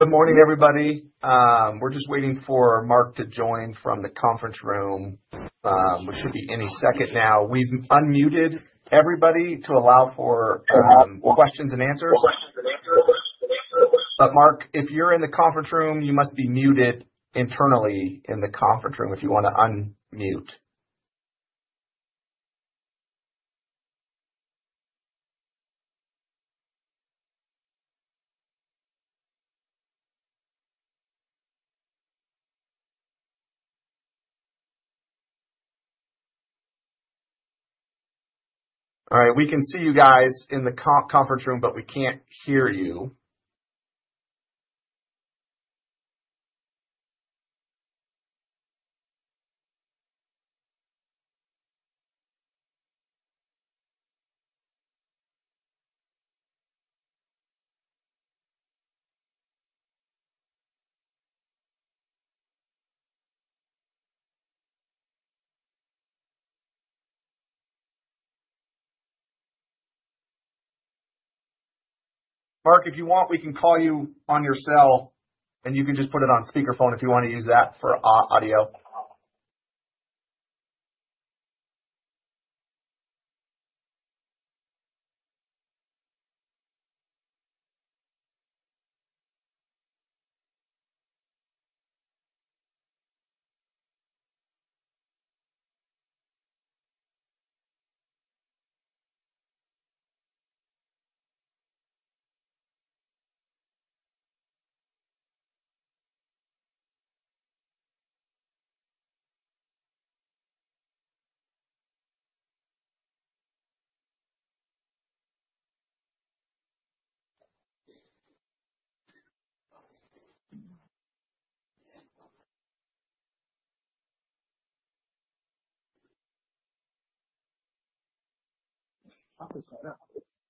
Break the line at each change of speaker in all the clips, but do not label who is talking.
Good morning, everybody. We're just waiting for Mark to join from the conference room, which should be any second now. We've unmuted everybody to allow for questions and answers. Mark, if you're in the conference room, you must be muted internally in the conference room if you want to unmute. All right. We can see you guys in the conference room, but we can't hear you. Mark, if you want, we can call you on your cell, and you can just put it on speakerphone if you want to use that for audio.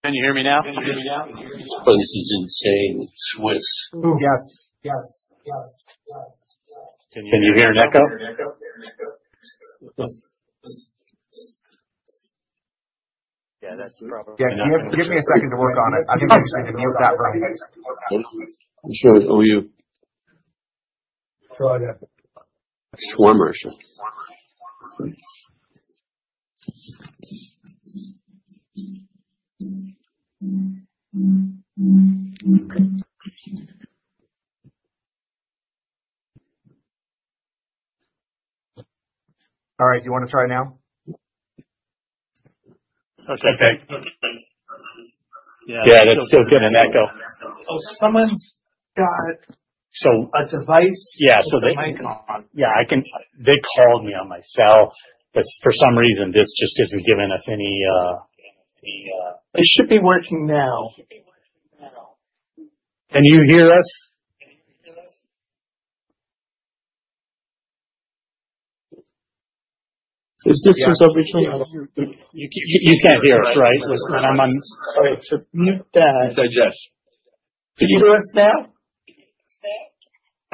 Can you hear me now?
This is insane in Swiss.
Yes. Yes. Yes. Yes.
Can you hear an echo?
Yeah, that's probably. Give me a second to work on it. I think I just need to mute that room.
I'm sure it's OU. Swimmer.
All right. Do you want to try now?
Okay. Yeah, that's still getting an echo.
Oh, someone's got a device with a mic on.
Yeah, they called me on my cell. For some reason, this just isn't giving us any.
It should be working now.
Can you hear us? Is this just a ritual?
You can't hear us, right? When I'm on. All right. Mute that.
I said yes.
Can you hear us now?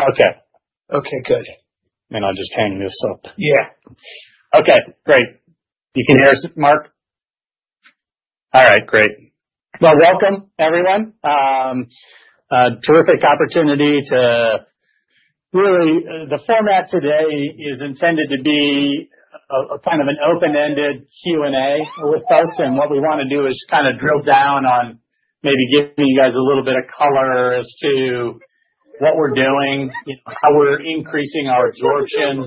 Okay.
Okay. Good.
I'll just hang this up.
Yeah.
Okay. Great. You can hear us, Mark? All right. Great. Welcome, everyone. Terrific opportunity to really the format today is intended to be kind of an open-ended Q&A with folks. What we want to do is kind of drill down on maybe giving you guys a little bit of color as to what we're doing, how we're increasing our absorptions.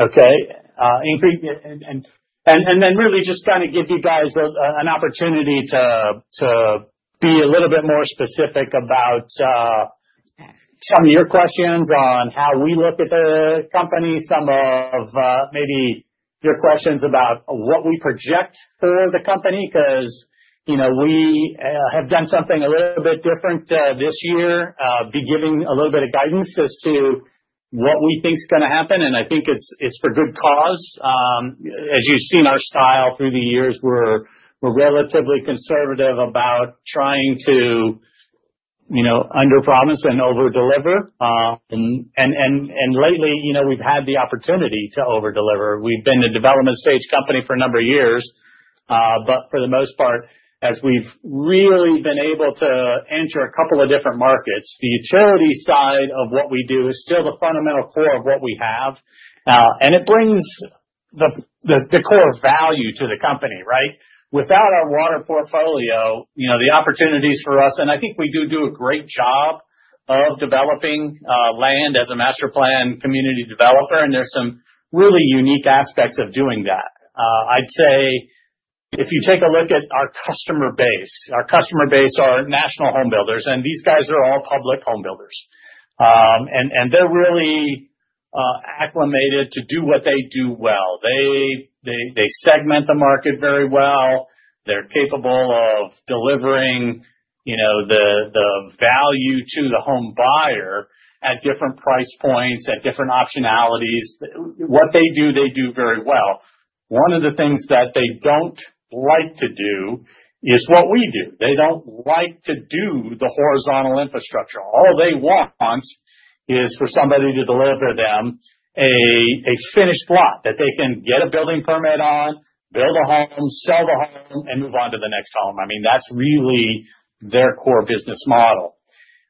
Okay. Then really just kind of give you guys an opportunity to be a little bit more specific about some of your questions on how we look at the company, some of maybe your questions about what we project for the company because we have done something a little bit different this year, be giving a little bit of guidance as to what we think is going to happen. I think it's for good cause. As you've seen our style through the years, we're relatively conservative about trying to underpromise and overdeliver. Lately, we've had the opportunity to overdeliver. We've been a development-stage company for a number of years. For the most part, as we've really been able to enter a couple of different markets, the utility side of what we do is still the fundamental core of what we have. It brings the core value to the company, right? Without our water portfolio, the opportunities for us, and I think we do do a great job of developing land as a master plan community developer. There's some really unique aspects of doing that. I'd say if you take a look at our customer base, our customer base are national home builders. These guys are all public home builders. They're really acclimated to do what they do well. They segment the market very well. They're capable of delivering the value to the home buyer at different price points, at different optionalities. What they do, they do very well. One of the things that they don't like to do is what we do. They don't like to do the horizontal infrastructure. All they want is for somebody to deliver them a finished lot that they can get a building permit on, build a home, sell the home, and move on to the next home. I mean, that's really their core business model.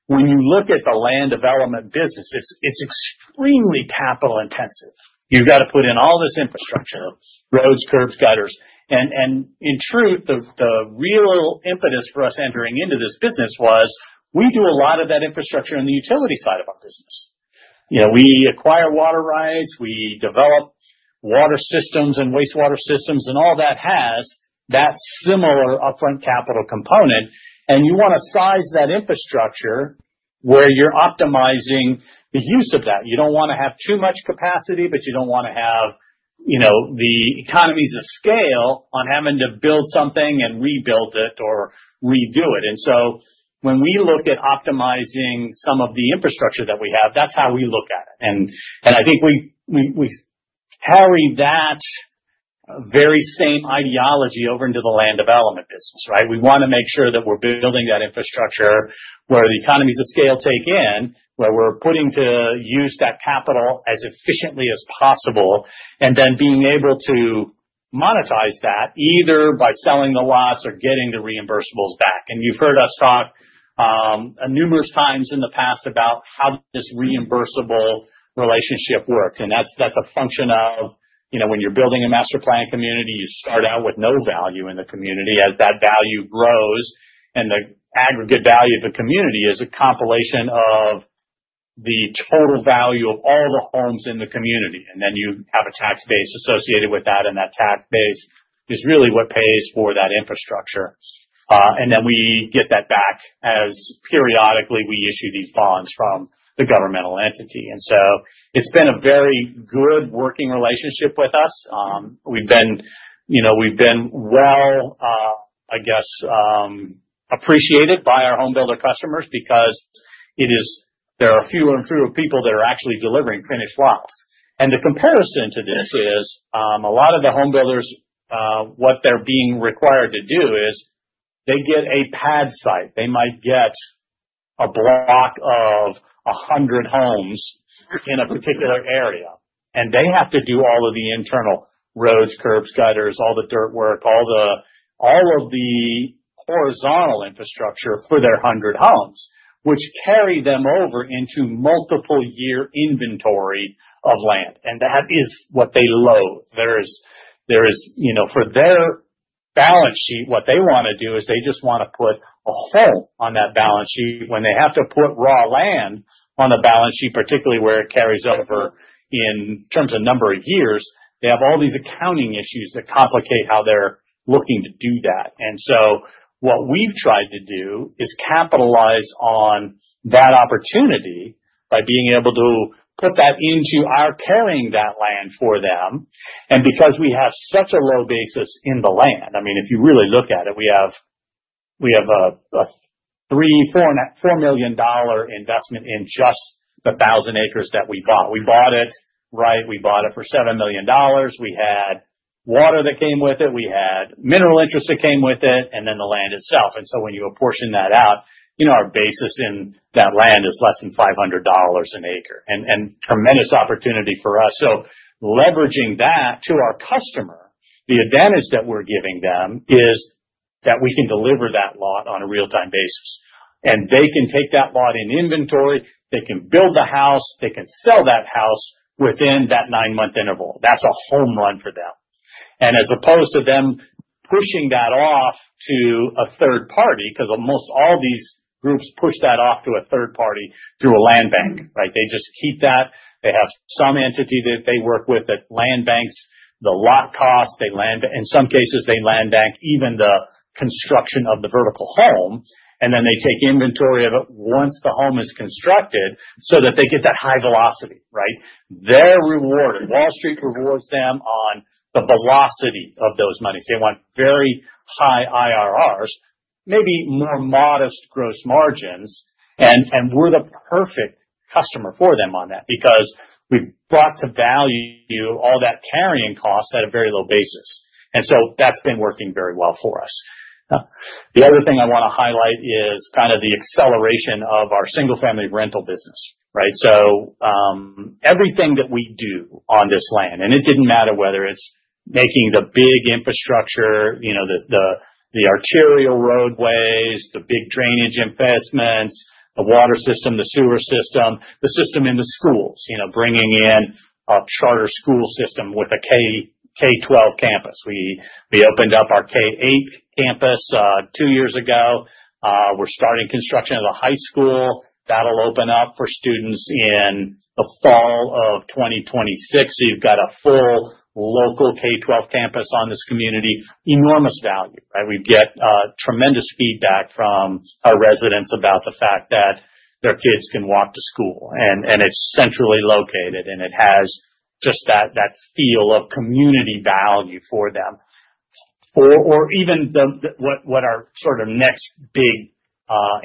When you look at the land development business, it's extremely capital-intensive. You've got to put in all this infrastructure: roads, curbs, gutters. In truth, the real impetus for us entering into this business was we do a lot of that infrastructure on the utility side of our business. We acquire water rights. We develop water systems and wastewater systems. All that has that similar upfront capital component. You want to size that infrastructure where you're optimizing the use of that. You don't want to have too much capacity, but you don't want to have the economies of scale on having to build something and rebuild it or redo it. When we look at optimizing some of the infrastructure that we have, that's how we look at it. I think we carry that very same ideology over into the land development business, right? We want to make sure that we're building that infrastructure where the economies of scale take in, where we're putting to use that capital as efficiently as possible, and then being able to monetize that either by selling the lots or getting the reimbursables back. You have heard us talk numerous times in the past about how this reimbursable relationship works. That is a function of when you are building a master plan community, you start out with no value in the community. As that value grows, and the aggregate value of the community is a compilation of the total value of all the homes in the community. You have a tax base associated with that. That tax base is really what pays for that infrastructure. We get that back as periodically we issue these bonds from the governmental entity. It has been a very good working relationship with us. We have been, I guess, appreciated by our home builder customers because there are fewer and fewer people that are actually delivering finished lots. The comparison to this is a lot of the home builders, what they're being required to do is they get a pad site. They might get a block of 100 homes in a particular area. They have to do all of the internal roads, curbs, gutters, all the dirt work, all of the horizontal infrastructure for their 100 homes, which carry them over into multiple-year inventory of land. That is what they load. For their balance sheet, what they want to do is they just want to put a hole on that balance sheet when they have to put raw land on the balance sheet, particularly where it carries over in terms of number of years. They have all these accounting issues that complicate how they're looking to do that. What we've tried to do is capitalize on that opportunity by being able to put that into our carrying that land for them. Because we have such a low basis in the land, I mean, if you really look at it, we have a $3 million, $4 million investment in just the 1,000 acres that we bought. We bought it, right? We bought it for $7 million. We had water that came with it. We had mineral interest that came with it, and then the land itself. When you apportion that out, our basis in that land is less than $500 an acre and tremendous opportunity for us. Leveraging that to our customer, the advantage that we're giving them is that we can deliver that lot on a real-time basis. They can take that lot in inventory. They can build the house. They can sell that house within that nine-month interval. That's a home run for them. As opposed to them pushing that off to a third party because almost all these groups push that off to a third party through a land bank, right? They just keep that. They have some entity that they work with that land banks the lot cost. In some cases, they land bank even the construction of the vertical home. They take inventory of it once the home is constructed so that they get that high velocity, right? They're rewarded. Wall Street rewards them on the velocity of those monies. They want very high IRRs, maybe more modest gross margins. We're the perfect customer for them on that because we've brought to value all that carrying cost at a very low basis. That's been working very well for us. The other thing I want to highlight is kind of the acceleration of our single-family rental business, right? Everything that we do on this land, and it did not matter whether it is making the big infrastructure, the arterial roadways, the big drainage investments, the water system, the sewer system, the system in the schools, bringing in a charter school system with a K-12 campus. We opened up our K-8 campus two years ago. We are starting construction of a high school that will open up for students in the fall of 2026. You have a full local K-12 campus on this community. Enormous value, right? We get tremendous feedback from our residents about the fact that their kids can walk to school. It is centrally located. It has just that feel of community value for them. Even what our sort of next big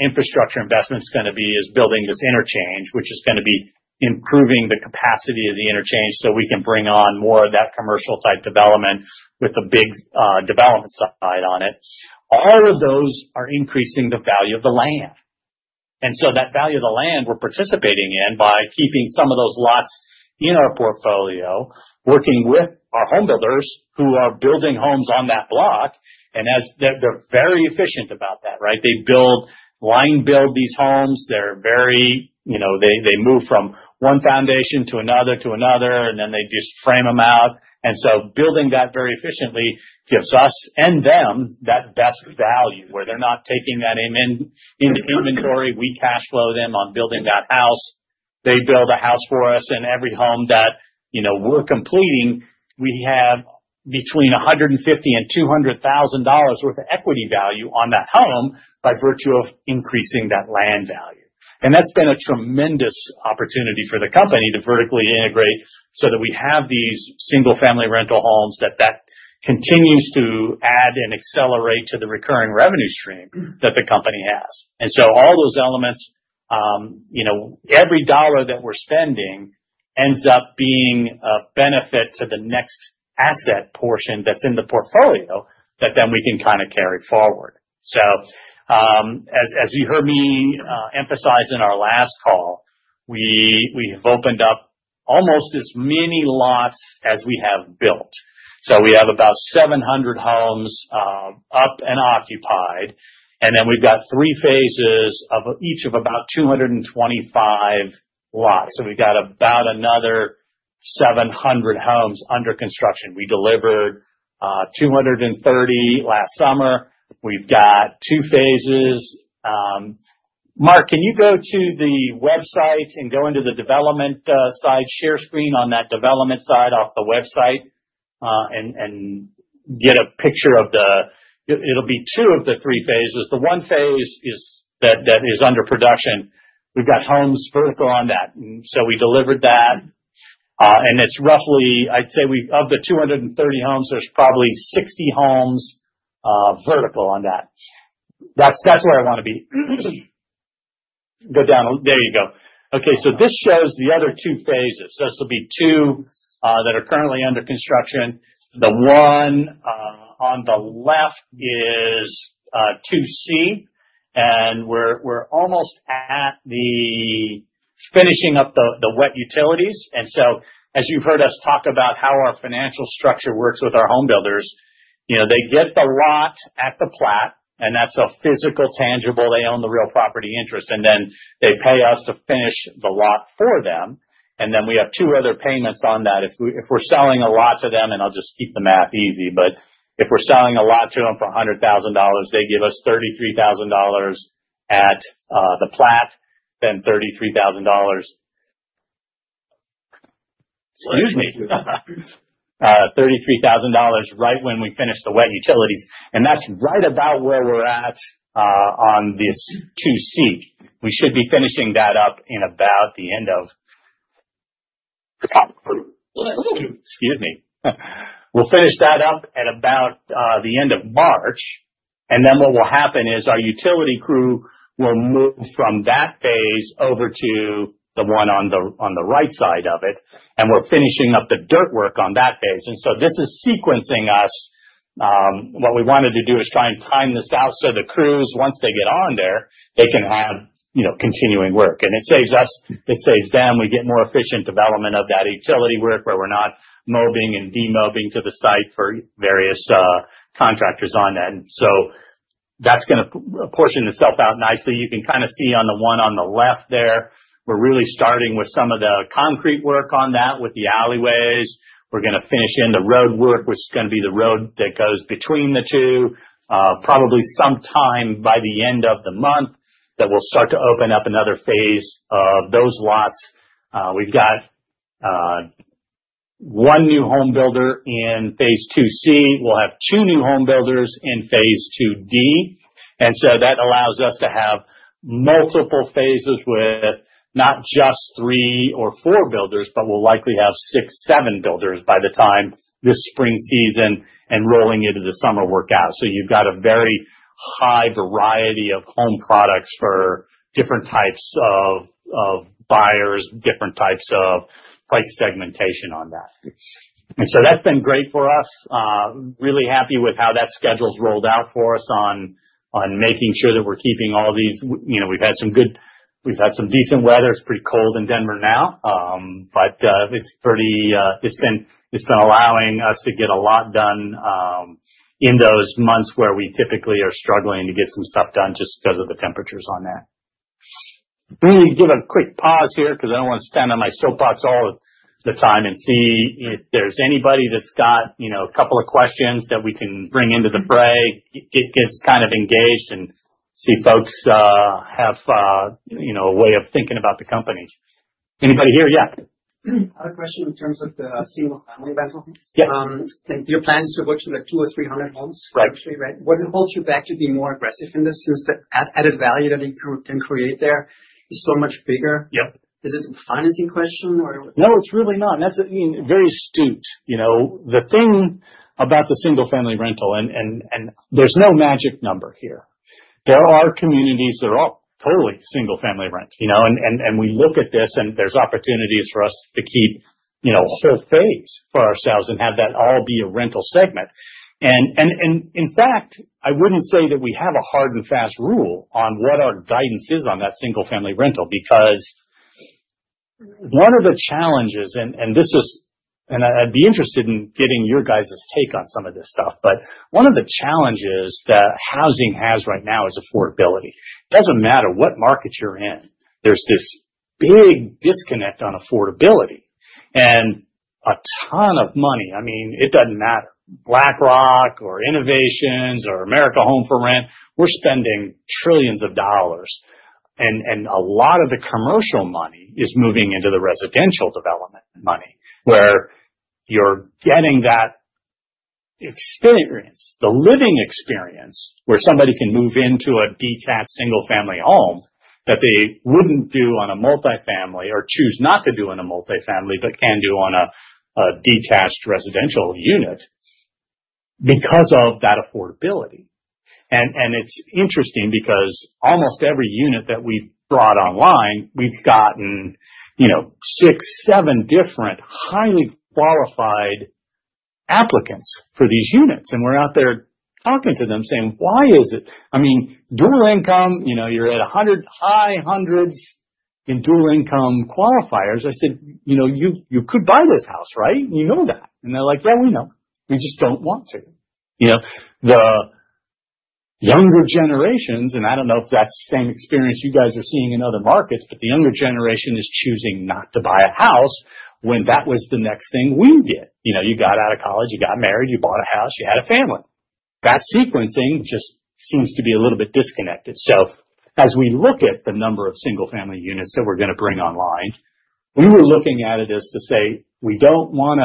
infrastructure investment is going to be is building this interchange, which is going to be improving the capacity of the interchange so we can bring on more of that commercial-type development with a big development side on it. All of those are increasing the value of the land. That value of the land, we're participating in by keeping some of those lots in our portfolio, working with our home builders who are building homes on that block. They are very efficient about that, right? They line build these homes. They are very—they move from one foundation to another to another, and then they just frame them out. Building that very efficiently gives us and them that best value where they are not taking that inventory. We cash flow them on building that house. They build a house for us. Every home that we're completing, we have between $150,000 and $200,000 worth of equity value on that home by virtue of increasing that land value. That's been a tremendous opportunity for the company to vertically integrate so that we have these single-family rental homes that continues to add and accelerate to the recurring revenue stream that the company has. All those elements, every dollar that we're spending ends up being a benefit to the next asset portion that's in the portfolio that we can kind of carry forward. As you heard me emphasize in our last call, we have opened up almost as many lots as we have built. We have about 700 homes up and occupied. We've got three phases of each of about 225 lots. We've got about another 700 homes under construction. We delivered 230 last summer. We have two phases. Mark, can you go to the website and go into the development side, share screen on that development side off the website, and get a picture of the—it will be two of the three phases. The one phase that is under production, we have homes vertical on that. We delivered that. It is roughly, I would say of the 230 homes, there are probably 60 homes vertical on that. That is where I want to be. Go down. There you go. Okay. This shows the other two phases. This will be two that are currently under construction. The one on the left is 2C. We are almost at finishing up the wet utilities. As you have heard us talk about how our financial structure works with our home builders, they get the lot at the plat. That's a physical tangible. They own the real property interest. They pay us to finish the lot for them. We have two other payments on that. If we're selling a lot to them—and I'll just keep the math easy—if we're selling a lot to them for $100,000, they give us $33,000 at the plat, then $33,000 right when we finish the wet utilities. That's right about where we're at on this 2C. We should be finishing that up at about the end of—excuse me. We'll finish that up at about the end of March. What will happen is our utility crew will move from that phase over to the one on the right side of it. We're finishing up the dirt work on that phase. This is sequencing us. What we wanted to do is try and time this out so the crews, once they get on there, they can have continuing work. It saves us. It saves them. We get more efficient development of that utility work where we're not mowing and demowing to the site for various contractors on that. That is going to portion itself out nicely. You can kind of see on the one on the left there, we're really starting with some of the concrete work on that with the alleyways. We're going to finish in the road work, which is going to be the road that goes between the two. Probably sometime by the end of the month that we'll start to open up another phase of those lots. We've got one new home builder in Phase 2C. We'll have two new home builders in Phase 2D. That allows us to have multiple phases with not just three or four builders, but we'll likely have six, seven builders by the time this spring season and rolling into the summer work out. You have a very high variety of home products for different types of buyers, different types of price segmentation on that. That has been great for us. Really happy with how that schedule's rolled out for us on making sure that we're keeping all these. We've had some good—we've had some decent weather. It's pretty cold in Denver now. It has been allowing us to get a lot done in those months where we typically are struggling to get some stuff done just because of the temperatures on that. Let me give a quick pause here because I do not want to stand on my soapbox all the time and see if there is anybody that has got a couple of questions that we can bring into the fray, get kind of engaged, and see folks have a way of thinking about the company. Anybody here?
Yeah. I have a question in terms of the single-family rental homes. Your plan is to work to like 200 or 300 homes, actually, right? What holds you back to be more aggressive in this since the added value that you can create there is so much bigger? Is it a financing question or?
No, it is really not. I mean, very astute. The thing about the single-family rental, and there is no magic number here. There are communities that are all totally single-family rent. We look at this, and there are opportunities for us to keep whole phase for ourselves and have that all be a rental segment. In fact, I would not say that we have a hard and fast rule on what our guidance is on that single-family rental because one of the challenges—and I would be interested in getting your guys' take on some of this stuff. One of the challenges that housing has right now is affordability. It does not matter what market you are in. There is this big disconnect on affordability and a ton of money. I mean, it does not matter. BlackRock or Innovations or American Homes 4 Rent, we are spending trillions of dollars. A lot of the commercial money is moving into the residential development money where you're getting that experience, the living experience where somebody can move into a detached single-family home that they wouldn't do on a multi-family or choose not to do in a multi-family but can do on a detached residential unit because of that affordability. It's interesting because almost every unit that we've brought online, we've gotten six, seven different highly qualified applicants for these units. We're out there talking to them saying, "Why is it?" I mean, dual income, you're at high hundreds in dual income qualifiers. I said, "You could buy this house, right? You know that." They're like, "Yeah, we know. We just don't want to. The younger generations—and I don't know if that's the same experience you guys are seeing in other markets—but the younger generation is choosing not to buy a house when that was the next thing we did. You got out of college. You got married. You bought a house. You had a family. That sequencing just seems to be a little bit disconnected. As we look at the number of single-family units that we're going to bring online, we were looking at it as to say, "We don't want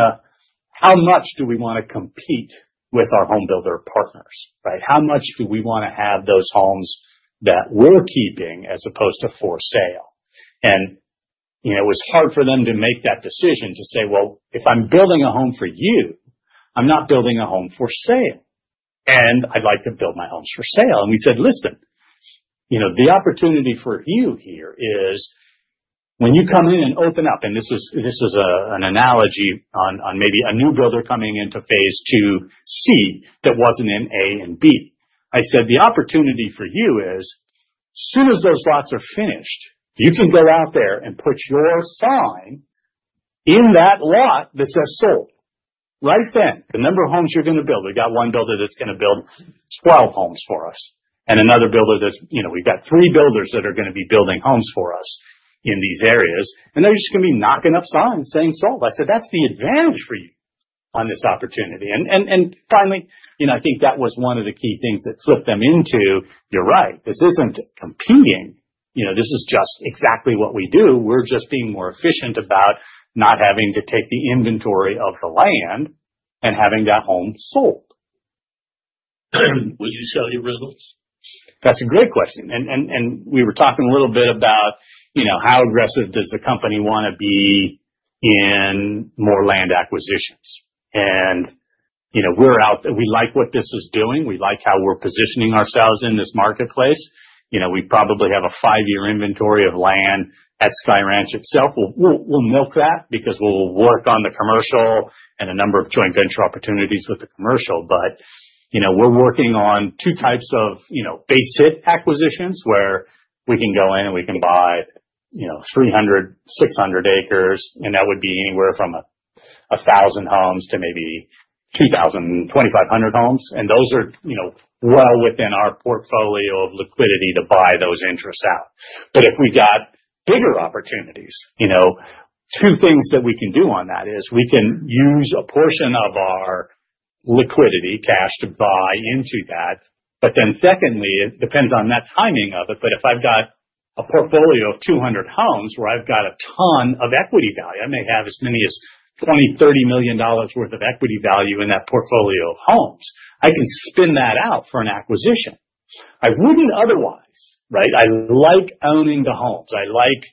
to—how much do we want to compete with our home builder partners, right? How much do we want to have those homes that we're keeping as opposed to for sale? It was hard for them to make that decision to say, "If I'm building a home for you, I'm not building a home for sale. I'd like to build my homes for sale." We said, "Listen, the opportunity for you here is when you come in and open up." This is an analogy on maybe a new builder coming into Phase 2C that wasn't in A and B. I said, "The opportunity for you is as soon as those lots are finished, you can go out there and put your sign in that lot that says sold." Right then, the number of homes you're going to build. We've got one builder that's going to build 12 homes for us and another builder that's—we've got three builders that are going to be building homes for us in these areas. They're just going to be knocking up signs saying sold. I said, "That's the advantage for you on this opportunity." Finally, I think that was one of the key things that flipped them into, "You're right. This isn't competing. This is just exactly what we do. We're just being more efficient about not having to take the inventory of the land and having that home sold."
Will you sell your rentals?
That's a great question. We were talking a little bit about how aggressive does the company want to be in more land acquisitions. We're out there. We like what this is doing. We like how we're positioning ourselves in this marketplace. We probably have a five-year inventory of land at Sky Ranch itself. We'll milk that because we'll work on the commercial and a number of joint venture opportunities with the commercial. We are working on two types of base hit acquisitions where we can go in and we can buy 300, 600 acres. That would be anywhere from 1,000 homes to maybe 2,000-2,500 homes. Those are well within our portfolio of liquidity to buy those interests out. If we got bigger opportunities, two things that we can do on that is we can use a portion of our liquidity cash to buy into that. Secondly, it depends on that timing of it. If I've got a portfolio of 200 homes where I've got a ton of equity value, I may have as many as $20 million-$30 million worth of equity value in that portfolio of homes. I can spin that out for an acquisition. I wouldn't otherwise, right? I like owning the homes. I like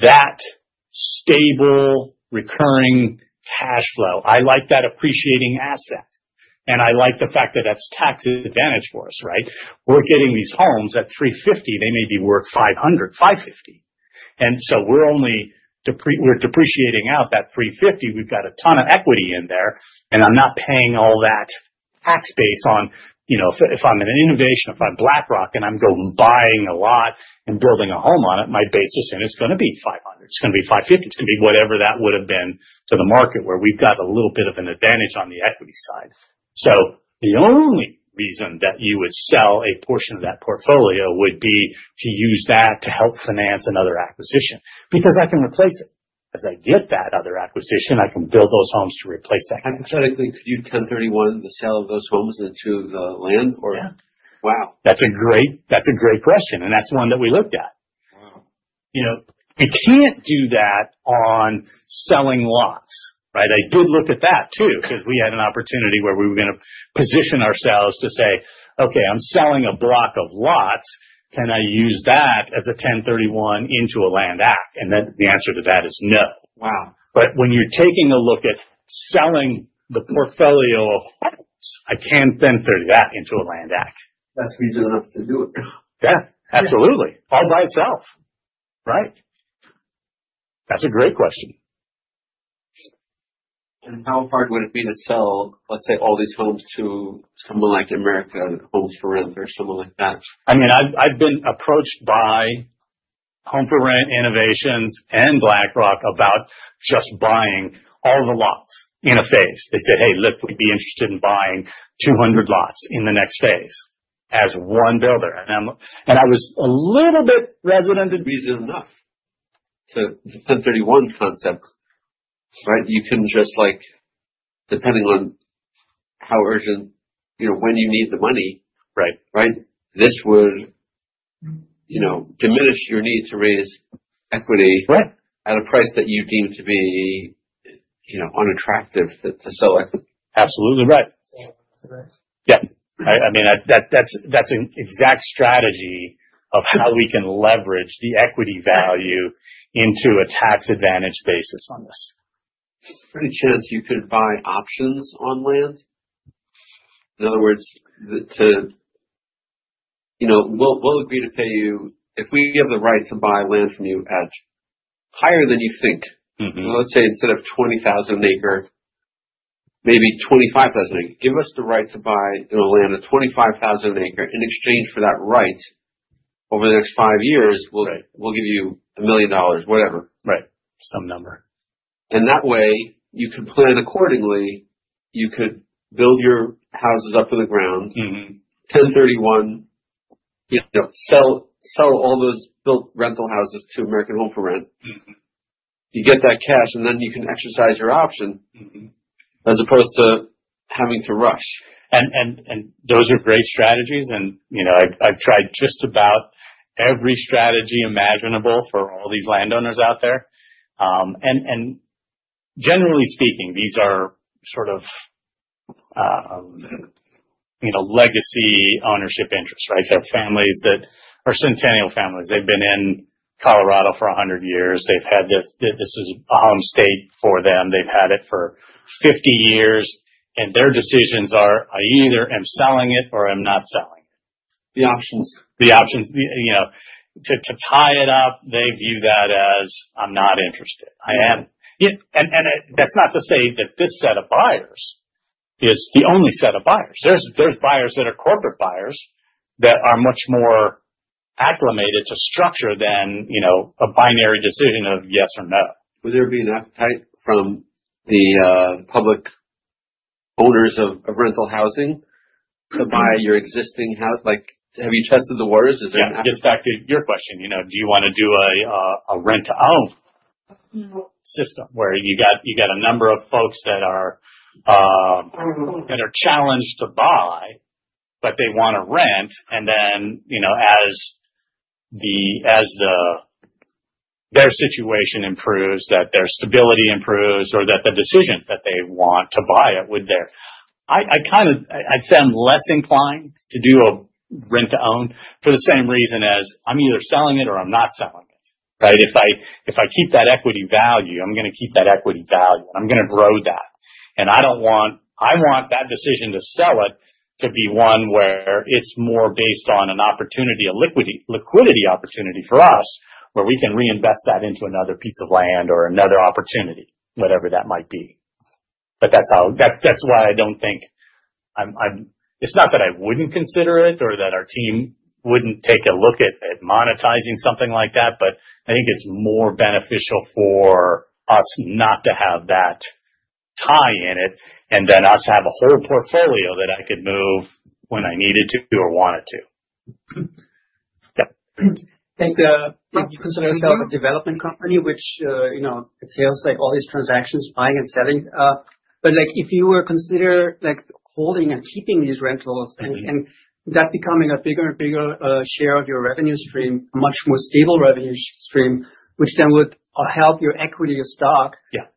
that stable recurring cash flow. I like that appreciating asset. I like the fact that that's tax advantaged for us, right? We're getting these homes at $350,000. They may be worth $500,000-$550,000. We're depreciating out that $350,000. We've got a ton of equity in there. I'm not paying all that tax based on if I'm Innovation, if I'm BlackRock, and I'm going to be buying a lot and building a home on it, my base incentive is going to be $500,000. It's going to be $550,000. It's going to be whatever that would have been to the market where we've got a little bit of an advantage on the equity side. The only reason that you would sell a portion of that portfolio would be to use that to help finance another acquisition because I can replace it. As I get that other acquisition, I can build those homes to replace that.
I'm trying to think. Could you 1031 the sale of those homes into the land or?
Yeah. Wow. That's a great question. That's one that we looked at.
Wow.
We can't do that on selling lots, right? I did look at that too because we had an opportunity where we were going to position ourselves to say, "Okay, I'm selling a block of lots. Can I use that as a 1031 into a land act? The answer to that is no. When you're taking a look at selling the portfolio of homes, I can't then turn that into a land act.
That's reason enough to do it.
Yeah. Absolutely. All by itself, right? That's a great question. How hard would it be to sell, let's say, all these homes to someone like American Homes 4 Rent or someone like that? I mean, I've been approached by American Homes 4 Rent, Innovations, and BlackRock about just buying all the lots in a phase. They said, "Hey, look, we'd be interested in buying 200 lots in the next phase as one builder." I was a little bit hesitant. Reason enough
To the 1031 concept, right? You can just, depending on how urgent, when you need the money, right? This would diminish your need to raise equity at a price that you deem to be unattractive to sell equity.
Absolutely right. Yeah. I mean, that's an exact strategy of how we can leverage the equity value into a tax advantage basis on this.
Any chance you could buy options on land? In other words, we'll agree to pay you if we have the right to buy land from you at higher than you think. Let's say instead of $20,000 an acre, maybe $25,000 an acre, give us the right to buy land at $25,000 an acre in exchange for that right over the next five years. We'll give you $1,000,000, whatever.
Right. Some number.
And that way, you can plan accordingly. You could build your houses up from the ground, 1031, sell all those built rental houses to American Homes 4 Rent. You get that cash, and then you can exercise your option as opposed to having to rush.
Those are great strategies. I've tried just about every strategy imaginable for all these landowners out there. Generally speaking, these are sort of legacy ownership interests, right? They have families that are centennial families. They've been in Colorado for 100 years. This is a home state for them. They've had it for 50 years. Their decisions are, "I either am selling it or I'm not selling it." The options. The options. To tie it up, they view that as, "I'm not interested." That's not to say that this set of buyers is the only set of buyers. There's buyers that are corporate buyers that are much more acclimated to structure than a binary decision of yes or no.
Will there be an appetite from the public owners of rental housing to buy your existing house? Have you tested the waters? Is there an appetite?
Yeah. It gets back to your question. Do you want to do a rent-to-own system where you've got a number of folks that are challenged to buy, but they want to rent? And then as their situation improves, that their stability improves, or that the decision that they want to buy it would I'd say I'm less inclined to do a rent-to-own for the same reason as I'm either selling it or I'm not selling it, right? If I keep that equity value, I'm going to keep that equity value. And I'm going to grow that. I want that decision to sell it to be one where it's more based on an opportunity, a liquidity opportunity for us, where we can reinvest that into another piece of land or another opportunity, whatever that might be. That is why I do not think it's not that I wouldn't consider it or that our team wouldn't take a look at monetizing something like that, but I think it's more beneficial for us not to have that tie in it and then us have a whole portfolio that I could move when I needed to or wanted to. Yeah.
You consider yourself a development company which entails all these transactions, buying and selling. If you were to consider holding and keeping these rentals and that becoming a bigger and bigger share of your revenue stream, a much more stable revenue stream, which then would help your equity stock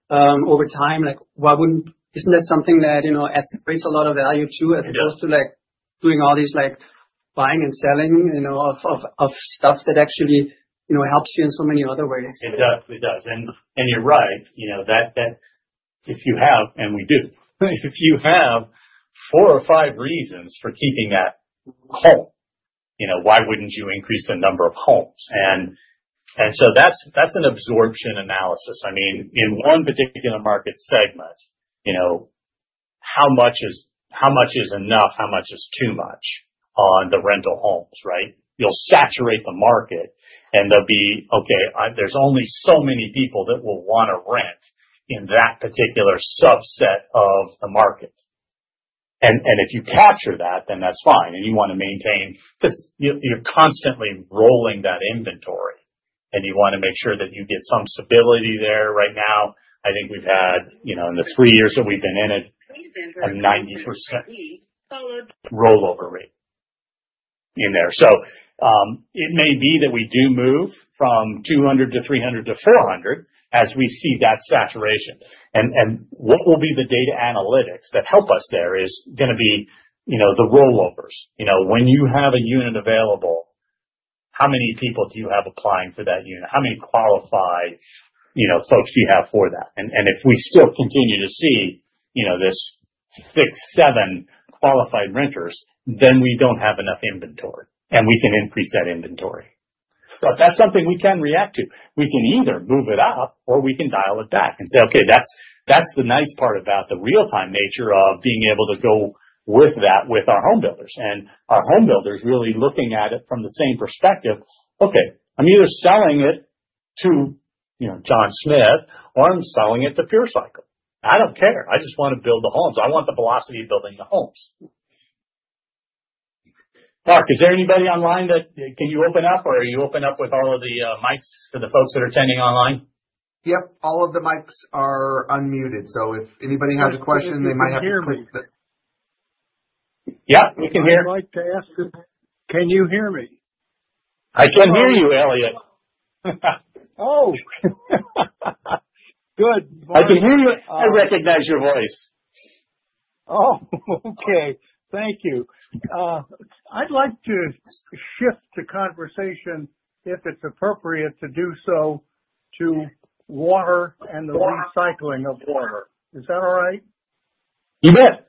over time, isn't that something that adds a lot of value too as opposed to doing all these buying and selling of stuff that actually helps you in so many other ways?
It does. It does. You're right. If you have—and we do—if you have four or five reasons for keeping that home, why wouldn't you increase the number of homes? That's an absorption analysis. I mean, in one particular market segment, how much is enough, how much is too much on the rental homes, right? You'll saturate the market, and there'll be, "Okay, there's only so many people that will want to rent in that particular subset of the market." If you capture that, then that's fine. You want to maintain because you're constantly rolling that inventory, and you want to make sure that you get some stability there. Right now, I think we've had, in the three years that we've been in it, a 90% roll-over rate in there. It may be that we do move from 200 to 300 to 400 as we see that saturation. What will be the data analytics that help us there is going to be the rollovers. When you have a unit available, how many people do you have applying for that unit? How many qualified folks do you have for that? If we still continue to see this six, seven qualified renters, then we do not have enough inventory. We can increase that inventory. That is something we can react to. We can either move it up, or we can dial it back and say, "Okay, that is the nice part about the real-time nature of being able to go with that with our home builders." Our home builders are really looking at it from the same perspective, "Okay, I am either selling it to John Smith, or I am selling it to Pure Cycle. I do not care. I just want to build the homes. I want the velocity of building the homes." Mark, is there anybody online that you can open up, or are you opening up all of the mics for the folks that are attending online?
Yep. All of the mics are unmuted. If anybody has a question, they might have to click the—Yep. We can hear.
I'd like to ask this, can you hear me?
I can hear you, Elliot.
Oh. Good.
I can hear you. I recognize your voice.
Oh, okay. Thank you. I'd like to shift the conversation, if it's appropriate to do so, to water and the recycling of water. Is that all right?
You bet.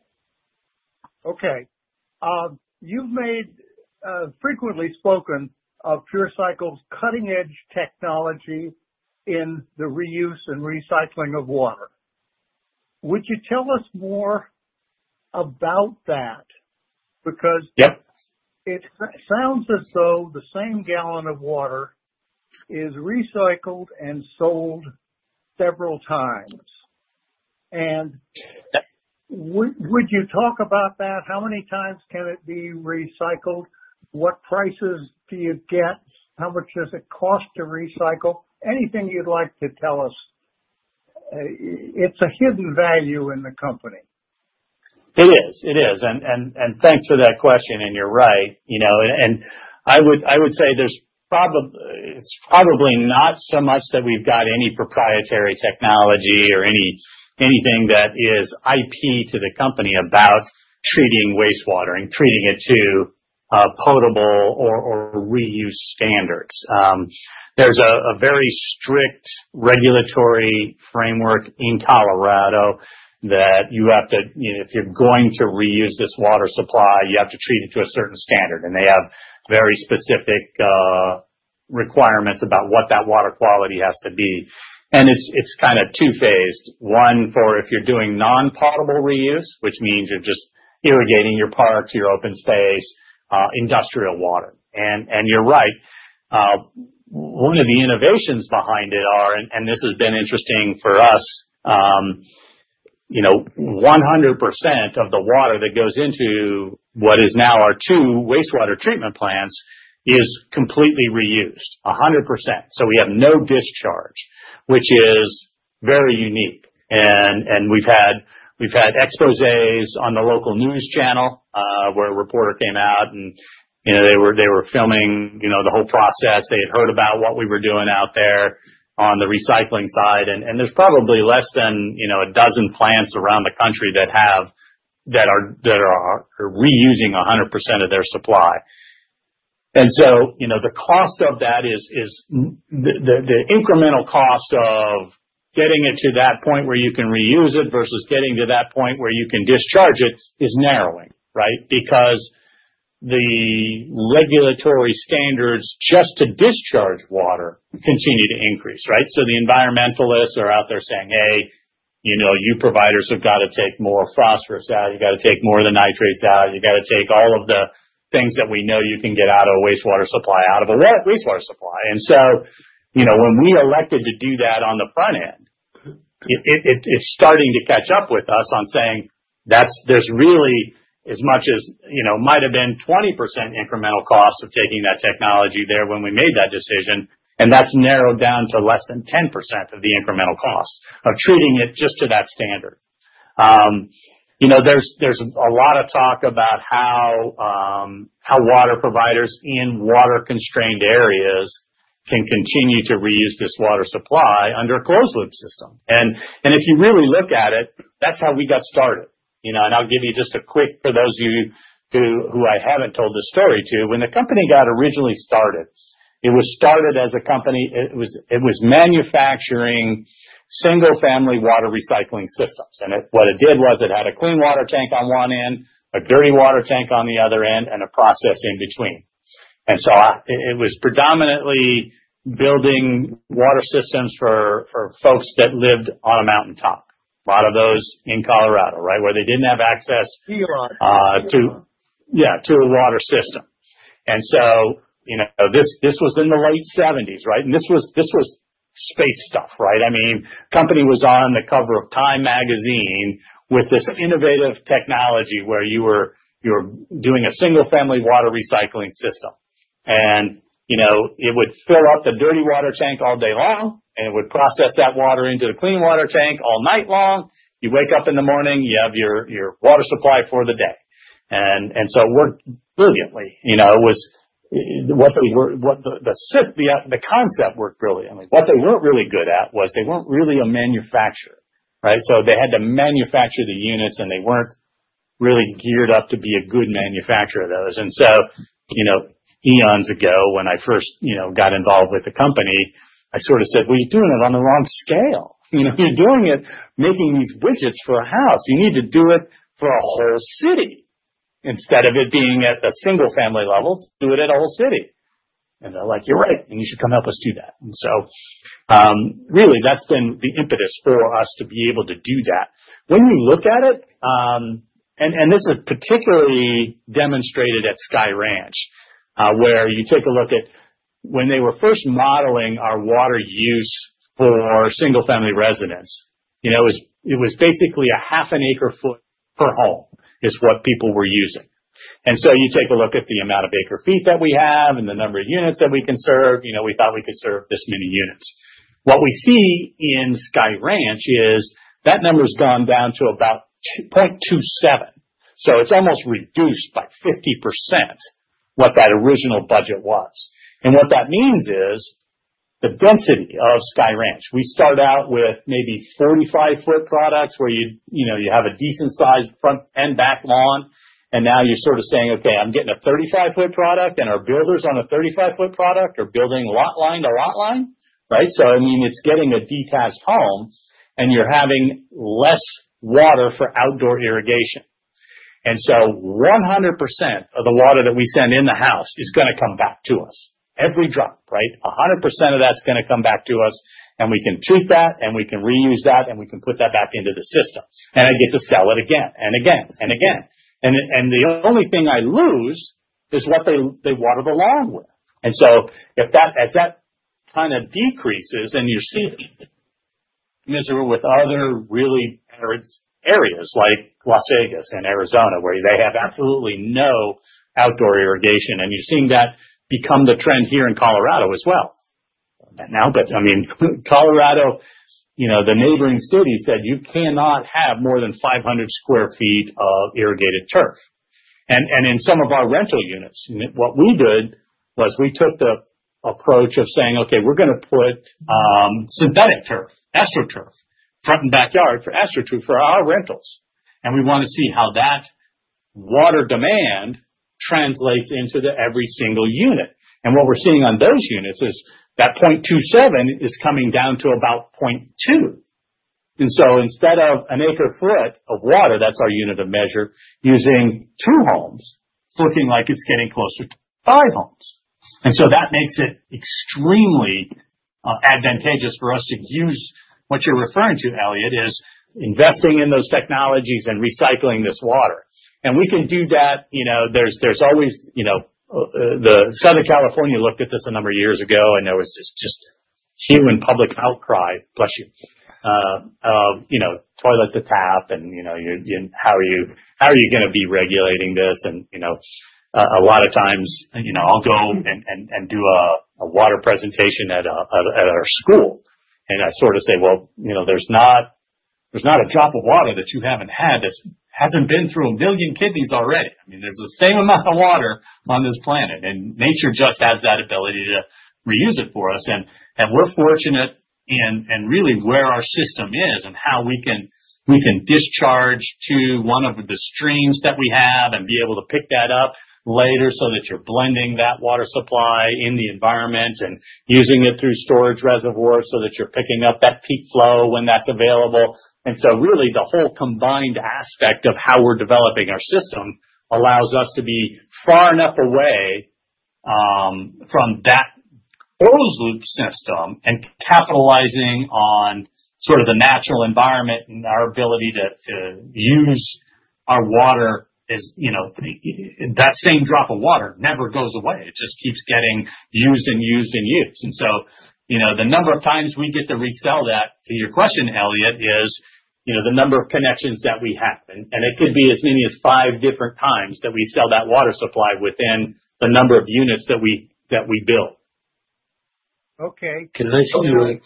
Okay. You've frequently spoken of Pure Cycle's cutting-edge technology in the reuse and recycling of water. Would you tell us more about that? Because it sounds as though the same gallon of water is recycled and sold several times. Would you talk about that? How many times can it be recycled? What prices do you get? How much does it cost to recycle? Anything you'd like to tell us. It's a hidden value in the company.
It is. It is. Thanks for that question. You're right. I would say it's probably not so much that we've got any proprietary technology or anything that is IP to the company about treating wastewater and treating it to potable or reuse standards. There's a very strict regulatory framework in Colorado that you have to—if you're going to reuse this water supply, you have to treat it to a certain standard. They have very specific requirements about what that water quality has to be. It's kind of two-phased. One for if you're doing non-potable reuse, which means you're just irrigating your parks, your open space, industrial water. You're right. One of the innovations behind it are, and this has been interesting for us, 100% of the water that goes into what is now our two wastewater treatment plants is completely reused, 100%. We have no discharge, which is very unique. We have had exposés on the local news channel where a reporter came out, and they were filming the whole process. They had heard about what we were doing out there on the recycling side. There are probably less than a dozen plants around the country that are reusing 100% of their supply. The cost of that is the incremental cost of getting it to that point where you can reuse it versus getting to that point where you can discharge it is narrowing, right? The regulatory standards just to discharge water continue to increase, right? The environmentalists are out there saying, "Hey, you providers have got to take more phosphorus out. You got to take more of the nitrates out. You got to take all of the things that we know you can get out of a wastewater supply out of a wastewater supply. When we elected to do that on the front end, it is starting to catch up with us on saying there is really as much as might have been 20% incremental cost of taking that technology there when we made that decision. That has narrowed down to less than 10% of the incremental cost of treating it just to that standard. There is a lot of talk about how water providers in water-constrained areas can continue to reuse this water supply under a closed-loop system. If you really look at it, that is how we got started. I will give you just a quick—for those of you who I have not told this story to—when the company got originally started, it was started as a company. It was manufacturing single-family water recycling systems. What it did was it had a clean water tank on one end, a dirty water tank on the other end, and a process in between. It was predominantly building water systems for folks that lived on a mountaintop, a lot of those in Colorado, right, where they didn't have access to a water system. This was in the late 1970s, right? This was space stuff, right? I mean, the company was on the cover of Time magazine with this innovative technology where you were doing a single-family water recycling system. It would fill up the dirty water tank all day long, and it would process that water into the clean water tank all night long. You wake up in the morning, you have your water supply for the day. It worked brilliantly. The concept worked brilliantly. What they were not really good at was they were not really a manufacturer, right? They had to manufacture the units, and they were not really geared up to be a good manufacturer of those. Eons ago, when I first got involved with the company, I sort of said, "You're doing it on the wrong scale. You're doing it making these widgets for a house. You need to do it for a whole city instead of it being at the single-family level. Do it at a whole city." They were like, "You're right. You should come help us do that." That has been the impetus for us to be able to do that. When you look at it, and this is particularly demonstrated at Sky Ranch, where you take a look at when they were first modeling our water use for single-family residents, it was basically a half an acre-foot per home is what people were using. You take a look at the amount of acre-feet that we have and the number of units that we can serve. We thought we could serve this many units. What we see in Sky Ranch is that number's gone down to about 0.27. It has almost reduced by 50% what that original budget was. What that means is the density of Sky Ranch. We start out with maybe 45-foot products where you have a decent-sized front and back lawn. Now you're sort of saying, "Okay, I'm getting a 35-foot product. Our builders on a 35-foot product are building lot line to lot line, right? I mean, it's getting a detached home, and you're having less water for outdoor irrigation. 100% of the water that we send in the house is going to come back to us, every drop, right? 100% of that's going to come back to us. We can treat that, and we can reuse that, and we can put that back into the system. I get to sell it again and again and again. The only thing I lose is what they water the lawn with. As that kind of decreases, and you're seeing it, you're seeing it with other really arid areas like Las Vegas and Arizona where they have absolutely no outdoor irrigation. You're seeing that become the trend here in Colorado as well. Now, I mean, Colorado, the neighboring city said, "You cannot have more than 500 sq ft of irrigated turf." In some of our rental units, what we did was we took the approach of saying, "Okay, we're going to put synthetic turf, AstroTurf, front and backyard for AstroTurf for our rentals." We want to see how that water demand translates into every single unit. What we're seeing on those units is that 0.27 is coming down to about 0.2. Instead of an acre foot of water, that's our unit of measure, using two homes, it's looking like it's getting closer to five homes. That makes it extremely advantageous for us to use what you're referring to, Elliot, is investing in those technologies and recycling this water. We can do that. There's always the Southern California looked at this a number of years ago, and there was just human public outcry, bless you, of toilet to tap and how are you going to be regulating this. A lot of times, I'll go and do a water presentation at our school. I sort of say, "Well, there's not a drop of water that you haven't had that hasn't been through a million kidneys already." I mean, there's the same amount of water on this planet, and nature just has that ability to reuse it for us. We're fortunate in really where our system is and how we can discharge to one of the streams that we have and be able to pick that up later so that you're blending that water supply in the environment and using it through storage reservoirs so that you're picking up that peak flow when that's available. Really, the whole combined aspect of how we're developing our system allows us to be far enough away from that closed-loop system and capitalizing on sort of the natural environment and our ability to use our water is that same drop of water never goes away. It just keeps getting used and used and used. The number of times we get to resell that, to your question, Elliot, is the number of connections that we have. It could be as many as five different times that we sell that water supply within the number of units that we build.
Okay.
Can I see your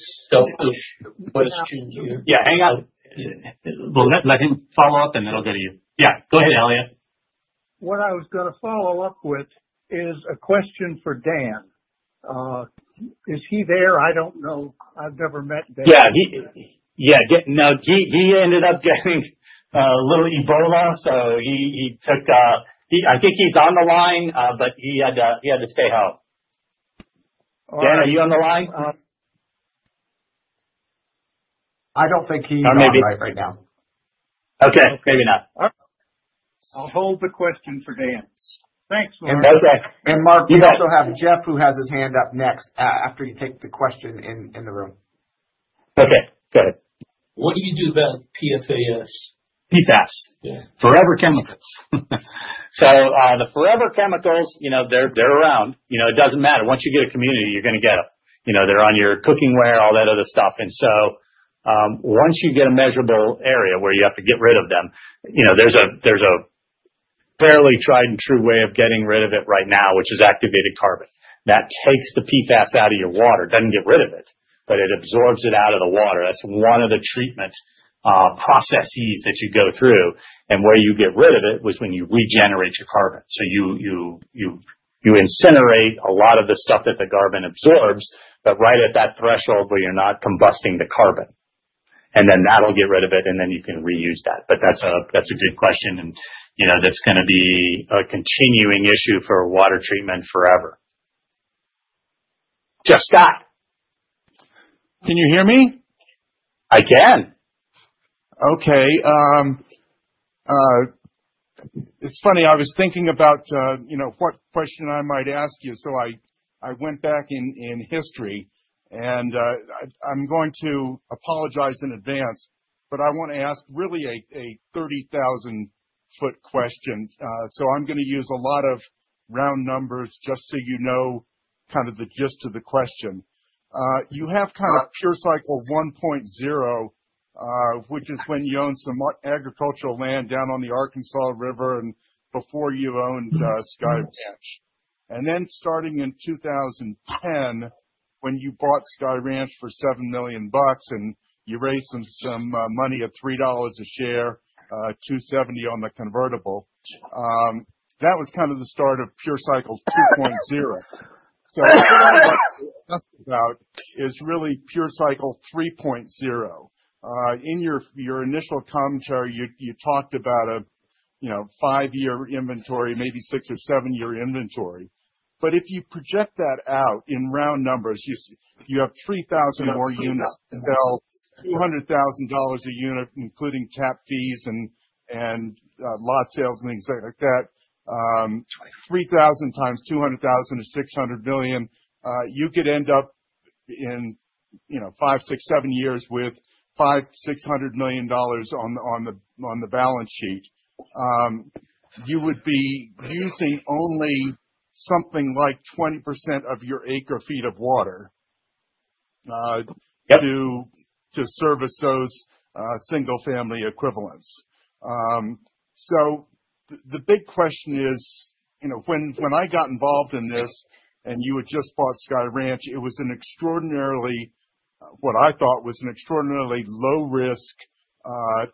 question here?
Yeah. Hang on. Let him follow up, and then I'll get to you. Yeah. Go ahead, Elliot.
What I was going to follow up with is a question for Dan. Is he there? I do not know. I have never met Dan.
Yeah. Yeah. He ended up getting a little Ebola, so he took a—I think he is on the line, but he had to stay home. Dan, are you on the line?
I do not think he is on the line right now.
Okay. Maybe not.
All right. I will hold the question for Dan. Thanks, Mark.
Okay. Mark, you also have Jeff, who has his hand up next after you take the question in the room. Okay. Go ahead.
What do you do about PFAS?
PFAS. Forever chemicals. The forever chemicals, they're around. It doesn't matter. Once you get a community, you're going to get them. They're on your cookingware, all that other stuff. Once you get a measurable area where you have to get rid of them, there's a fairly tried-and-true way of getting rid of it right now, which is activated carbon. That takes the PFAS out of your water. It doesn't get rid of it, but it absorbs it out of the water. That's one of the treatment processes that you go through. Where you get rid of it is when you regenerate your carbon. You incinerate a lot of the stuff that the carbon absorbs, but right at that threshold where you're not combusting the carbon. That'll get rid of it, and then you can reuse that. That's a good question, and that's going to be a continuing issue for water treatment forever. Jeff Scott.
Can you hear me?
I can.
Okay. It's funny. I was thinking about what question I might ask you. I went back in history, and I'm going to apologize in advance, but I want to ask really a 30,000-foot question. I'm going to use a lot of round numbers just so you know kind of the gist of the question. You have kind of Pure Cycle 1.0, which is when you owned some agricultural land down on the Arkansas River and before you owned Sky Ranch. Then starting in 2010, when you bought Sky Ranch for $7 million and you raised some money at $3 a share, $270 on the convertible, that was kind of the start of Pure Cycle 2.0. What I want to ask about is really Pure Cycle 3.0. In your initial commentary, you talked about a five-year inventory, maybe six or seven-year inventory. If you project that out in round numbers, you have 3,000 more units, $200,000 a unit, including cap fees and lot sales and things like that. 3,000 x $200,000 is $600 million. You could end up in five, six, seven years with $500 million-$600 million on the balance sheet. You would be using only something like 20% of your acre feet of water to service those single-family equivalents. The big question is, when I got involved in this and you had just bought Sky Ranch, it was an extraordinarily—what I thought was an extraordinarily low-risk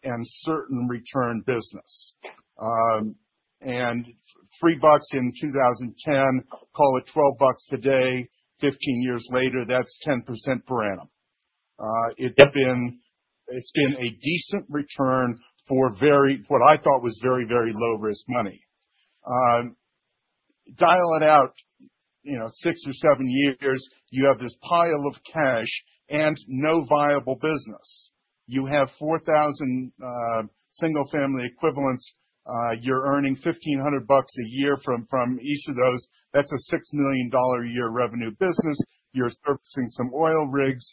and certain return business. $3 in 2010, call it $12 today, 15 years later, that's 10% per annum. It's been a decent return for what I thought was very, very low-risk money. Dial it out six or seven years, you have this pile of cash and no viable business. You have 4,000 single-family equivalents. You're earning $1,500 a year from each of those. That's a $6 million a year revenue business. You're servicing some oil rigs.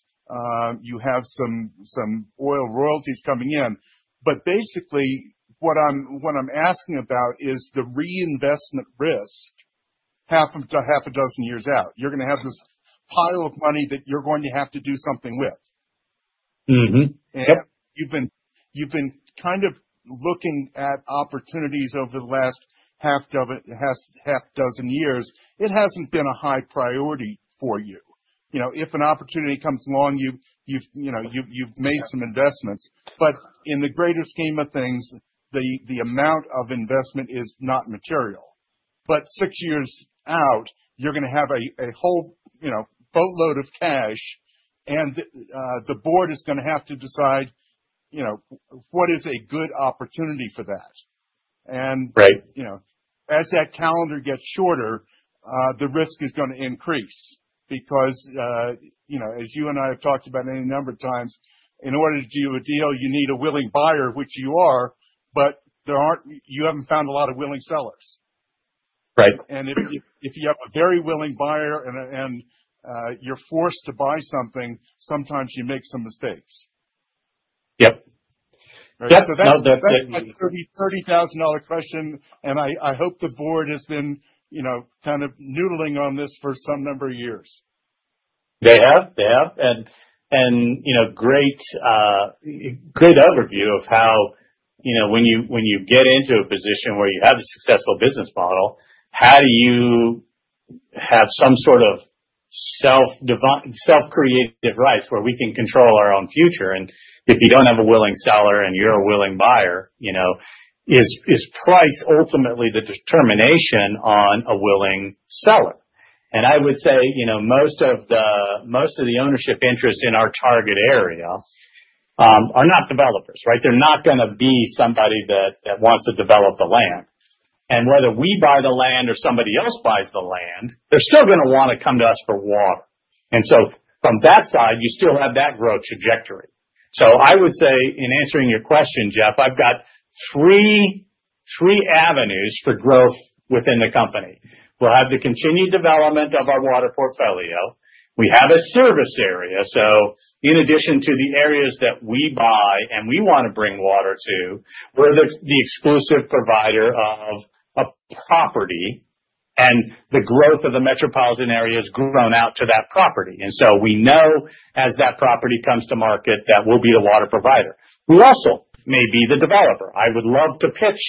You have some oil royalties coming in. Basically, what I'm asking about is the reinvestment risk half a dozen years out. You're going to have this pile of money that you're going to have to do something with. You've been kind of looking at opportunities over the last half dozen years. It hasn't been a high priority for you. If an opportunity comes along, you've made some investments. In the greater scheme of things, the amount of investment is not material. Six years out, you're going to have a whole boatload of cash, and the board is going to have to decide what is a good opportunity for that. As that calendar gets shorter, the risk is going to increase because, as you and I have talked about any number of times, in order to do a deal, you need a willing buyer, which you are, but you haven't found a lot of willing sellers. If you have a very willing buyer and you're forced to buy something, sometimes you make some mistakes.
Yep.
That's a $30,000 question, and I hope the board has been kind of noodling on this for some number of years.
They have. They have. Great overview of how when you get into a position where you have a successful business model, how do you have some sort of self-creative rights where we can control our own future? If you do not have a willing seller and you are a willing buyer, is price ultimately the determination on a willing seller? I would say most of the ownership interests in our target area are not developers, right? They are not going to be somebody that wants to develop the land. Whether we buy the land or somebody else buys the land, they are still going to want to come to us for water. From that side, you still have that growth trajectory. I would say in answering your question, Jeff, I have got three avenues for growth within the company. We will have the continued development of our water portfolio. We have a service area. In addition to the areas that we buy and we want to bring water to, we're the exclusive provider of a property, and the growth of the metropolitan area has grown out to that property. We know as that property comes to market that we'll be the water provider. We also may be the developer. I would love to pitch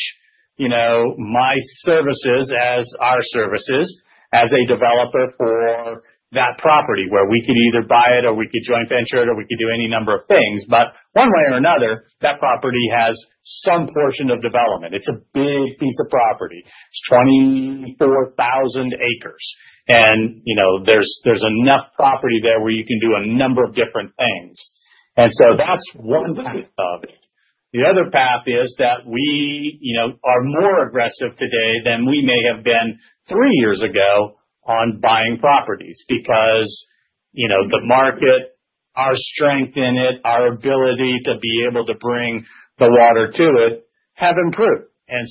my services as our services as a developer for that property where we could either buy it or we could joint venture it or we could do any number of things. One way or another, that property has some portion of development. It's a big piece of property. It's 24,000 acres. There's enough property there where you can do a number of different things. That's one path of it. The other path is that we are more aggressive today than we may have been three years ago on buying properties because the market, our strength in it, our ability to be able to bring the water to it have improved. I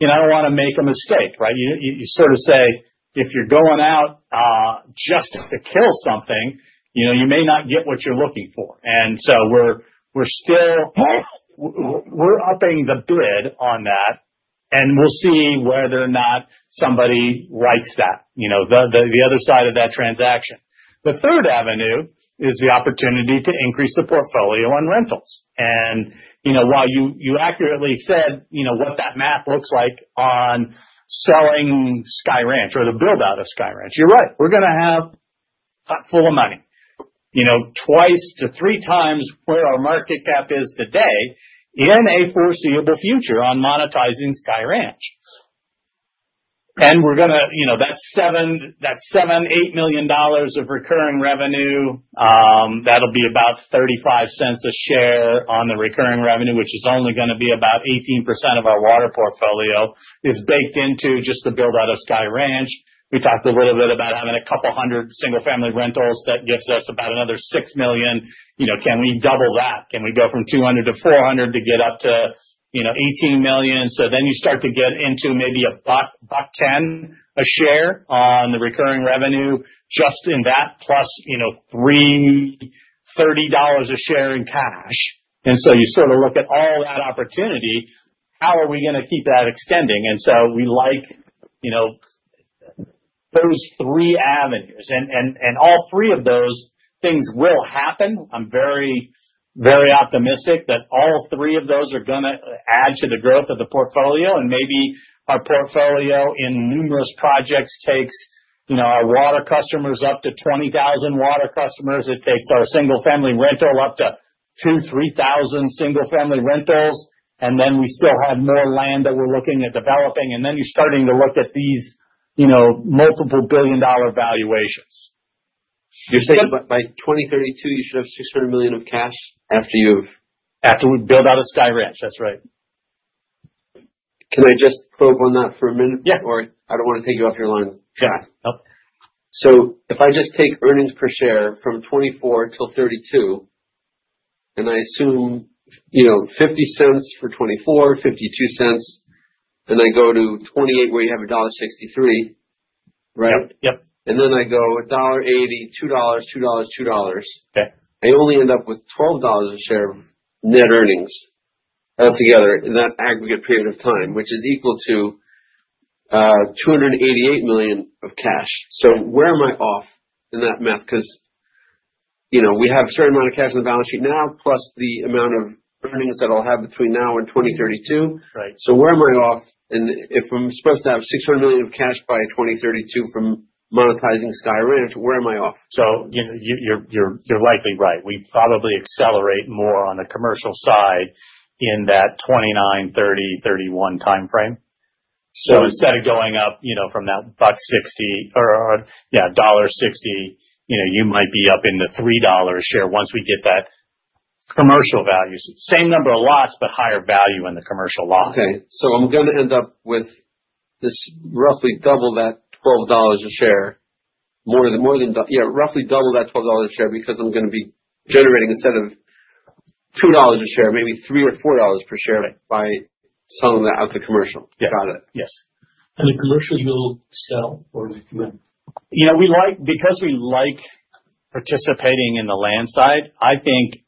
do not want to make a mistake, right? You sort of say, "If you're going out just to kill something, you may not get what you're looking for." We are upping the bid on that, and we will see whether or not somebody writes that, the other side of that transaction. The third avenue is the opportunity to increase the portfolio on rentals. While you accurately said what that map looks like on selling Sky Ranch or the build-out of Sky Ranch, you're right. We're going to have a potful of money, twice to three times where our market cap is today in a foreseeable future on monetizing Sky Ranch. We're going to—that's $7 million, $8 million of recurring revenue. That'll be about 35 cents a share on the recurring revenue, which is only going to be about 18% of our water portfolio, is baked into just the build-out of Sky Ranch. We talked a little bit about having a couple hundred single-family rentals. That gives us about another $6 million. Can we double that? Can we go from 200 to 400 to get up to $18 million? You start to get into maybe a buck 10 a share on the recurring revenue just in that, plus $30 a share in cash. You sort of look at all that opportunity. How are we going to keep that extending? We like those three avenues. All three of those things will happen. I'm very, very optimistic that all three of those are going to add to the growth of the portfolio. Maybe our portfolio in numerous projects takes our water customers up to 20,000 water customers. It takes our single-family rental up to 2,000-3,000 single-family rentals. We still have more land that we're looking at developing. You're starting to look at these multiple billion-dollar valuations. You're saying by 2032, you should have $600 million of cash after you have—after we build out of Sky Ranch. That's right.
Can I just probe on that for a minute? Yeah. I don't want to take you off your line. Sure. If I just take earnings per share from 2024 to 2032, and I assume $0.50 for 2024, $0.52, and I go to 2028 where you have $1.63, right?
Yep. And then I go $1.80, $2, $2, $2. I only end up with $12 a share of net earnings altogether in that aggregate period of time, which is equal to $288 million of cash. Where am I off in that math? Because we have a certain amount of cash on the balance sheet now, plus the amount of earnings that I'll have between now and 2032. Where am I off? If I'm supposed to have $600 million of cash by 2032 from monetizing Sky Ranch, where am I off? You're likely right. We probably accelerate more on the commercial side in that 2029, 2030, 2031 timeframe. Instead of going up from that buck 60 or, yeah, $1.60, you might be up into $3 a share once we get that commercial value. Same number of lots, but higher value in the commercial lot.
Okay. I'm going to end up with this roughly double that $12 a share, more than—yeah, roughly double that $12 a share because I'm going to be generating instead of $2 a share, maybe $3 or $4 per share by selling that out to commercial. Got it.
Yes.
And the commercial, you'll sell or recommend?
Yeah. Because we like participating in the land side, I think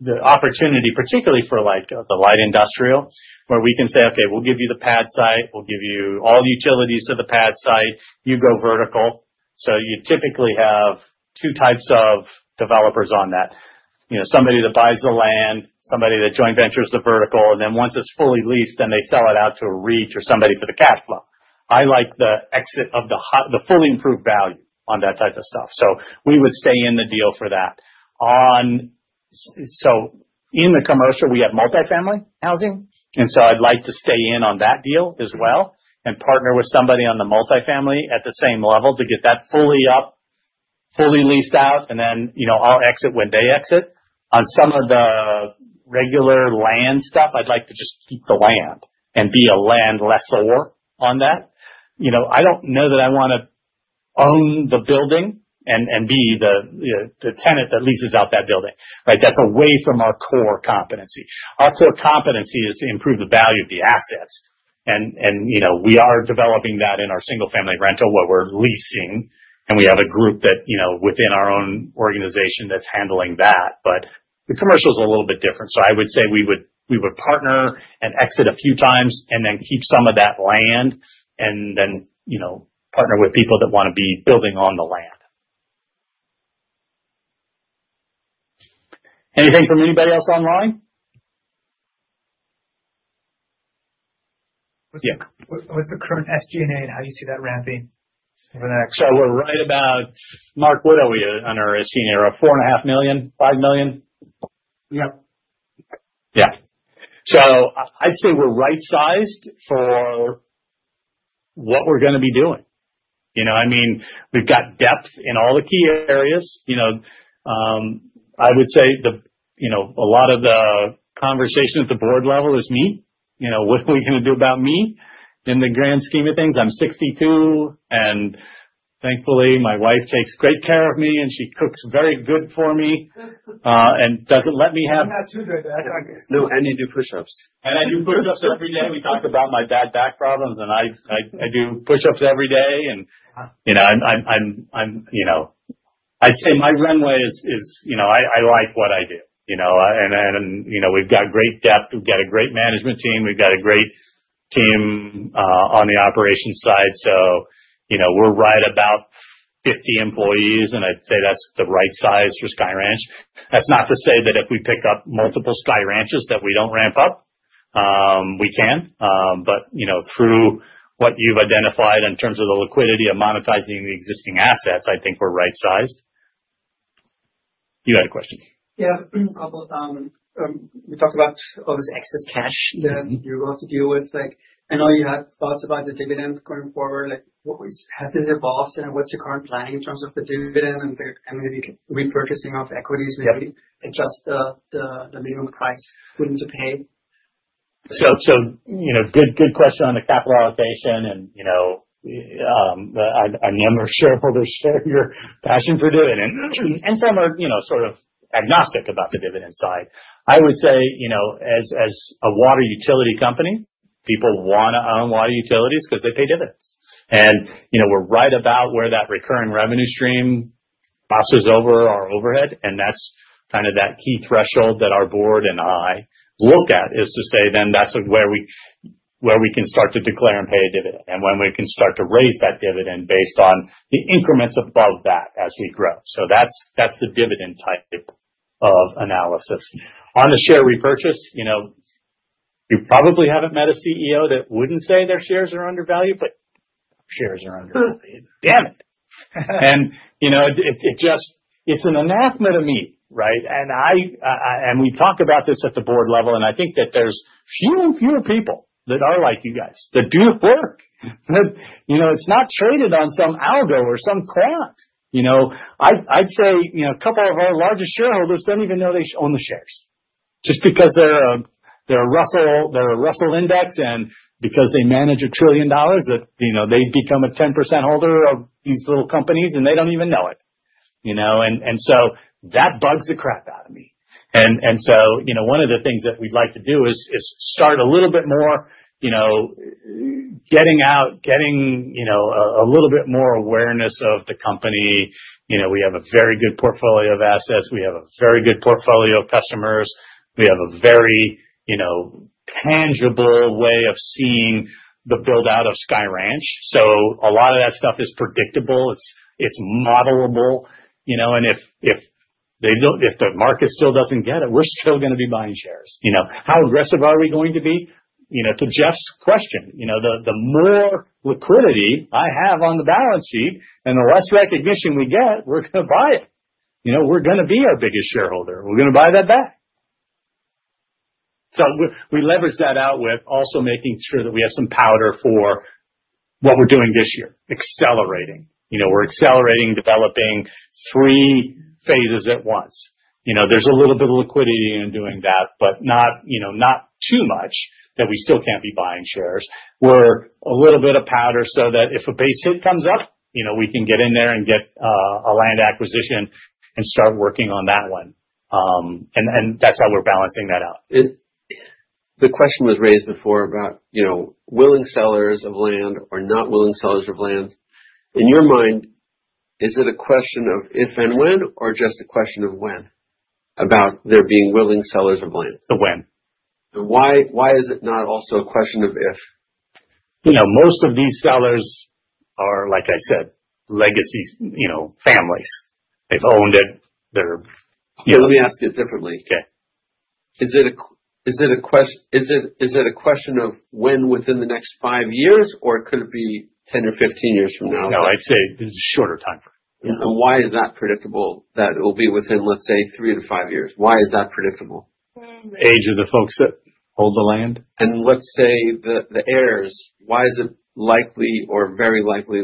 the opportunity, particularly for the light industrial, where we can say, "Okay, we'll give you the pad site. We'll give you all utilities to the pad site. You go vertical. You typically have two types of developers on that: somebody that buys the land, somebody that joint ventures the vertical, and once it's fully leased, they sell it out to a REIT or somebody for the cash flow. I like the exit of the fully improved value on that type of stuff. We would stay in the deal for that. In the commercial, we have multifamily housing. I'd like to stay in on that deal as well and partner with somebody on the multifamily at the same level to get that fully leased out. I'll exit when they exit. On some of the regular land stuff, I'd like to just keep the land and be a land lessor on that. I don't know that I want to own the building and be the tenant that leases out that building, right? That's away from our core competency. Our core competency is to improve the value of the assets. And we are developing that in our single-family rental where we're leasing, and we have a group within our own organization that's handling that. The commercial is a little bit different. I would say we would partner and exit a few times and then keep some of that land and then partner with people that want to be building on the land.
Anything from anybody else online?
Yeah. What's the current SG&A and how do you see that ramping over the next?
We're right about—Mark, what are we on our SG&A? Around $4.5 million, $5 million?
Yep.
Yeah. I'd say we're right-sized for what we're going to be doing. I mean, we've got depth in all the key areas. I would say a lot of the conversation at the board level is me. What are we going to do about me in the grand scheme of things? I'm 62, and thankfully, my wife takes great care of me, and she cooks very good for me and doesn't let me have—I thought—No, and you do push-ups. I do push-ups every day. We talked about my bad back problems, and I do push-ups every day. I'd say my runway is—I like what I do. We've got great depth. We've got a great management team. We've got a great team on the operations side. We're right about 50 employees, and I'd say that's the right size for Sky Ranch. That's not to say that if we pick up multiple Sky Ranches that we don't ramp up. We can. Through what you've identified in terms of the liquidity of monetizing the existing assets, I think we're right-sized. You had a question.
Yeah. We talked about all this excess cash that you have to deal with. I know you had thoughts about the dividend going forward. How has this evolved, and what's the current planning in terms of the dividend and maybe repurchasing of equities, maybe adjust the minimum price willing to pay?
Good question on the capital allocation, and I'm never a shareholder share of your passion for dividend. Some are sort of agnostic about the dividend side. I would say, as a water utility company, people want to own water utilities because they pay dividends. We are right about where that recurring revenue stream buses over our overhead. That is kind of that key threshold that our board and I look at to say, "That is where we can start to declare and pay a dividend," and when we can start to raise that dividend based on the increments above that as we grow. That is the dividend type of analysis. On the share repurchase, you probably have not met a CEO that would not say their shares are undervalued, but shares are undervalued. Damn it. It is an anathema to me, right? We talk about this at the board level, and I think that there are few and fewer people that are like you guys that do the work. It is not traded on some algo or some quant. I'd say a couple of our largest shareholders don't even know they own the shares just because they're a Russell index and because they manage a trillion dollars that they become a 10% holder of these little companies, and they don't even know it. That bugs the crap out of me. One of the things that we'd like to do is start a little bit more getting out, getting a little bit more awareness of the company. We have a very good portfolio of assets. We have a very good portfolio of customers. We have a very tangible way of seeing the build-out of Sky Ranch. A lot of that stuff is predictable. It's modelable. If the market still doesn't get it, we're still going to be buying shares. How aggressive are we going to be? To Jeff's question, the more liquidity I have on the balance sheet and the less recognition we get, we're going to buy it. We're going to be our biggest shareholder. We're going to buy that back. We leverage that out with also making sure that we have some powder for what we're doing this year, accelerating. We're accelerating developing three phases at once. There's a little bit of liquidity in doing that, but not too much that we still can't be buying shares. We have a little bit of powder so that if a base hit comes up, we can get in there and get a land acquisition and start working on that one. That's how we're balancing that out.
The question was raised before about willing sellers of land or not willing sellers of land. In your mind, is it a question of if and when or just a question of when about there being willing sellers of land?
The when.
Why is it not also a question of if?
Most of these sellers are, like I said, legacy families. They've owned it. They're—
Yeah, let me ask it differently.
Okay.
Is it a question of when within the next five years, or could it be 10 or 15 years from now?
No, I'd say this is a shorter timeframe.
Why is that predictable that it will be within, let's say, three to five years? Why is that predictable?
Age of the folks that hold the land.
Let's say the heirs, why is it likely or very likely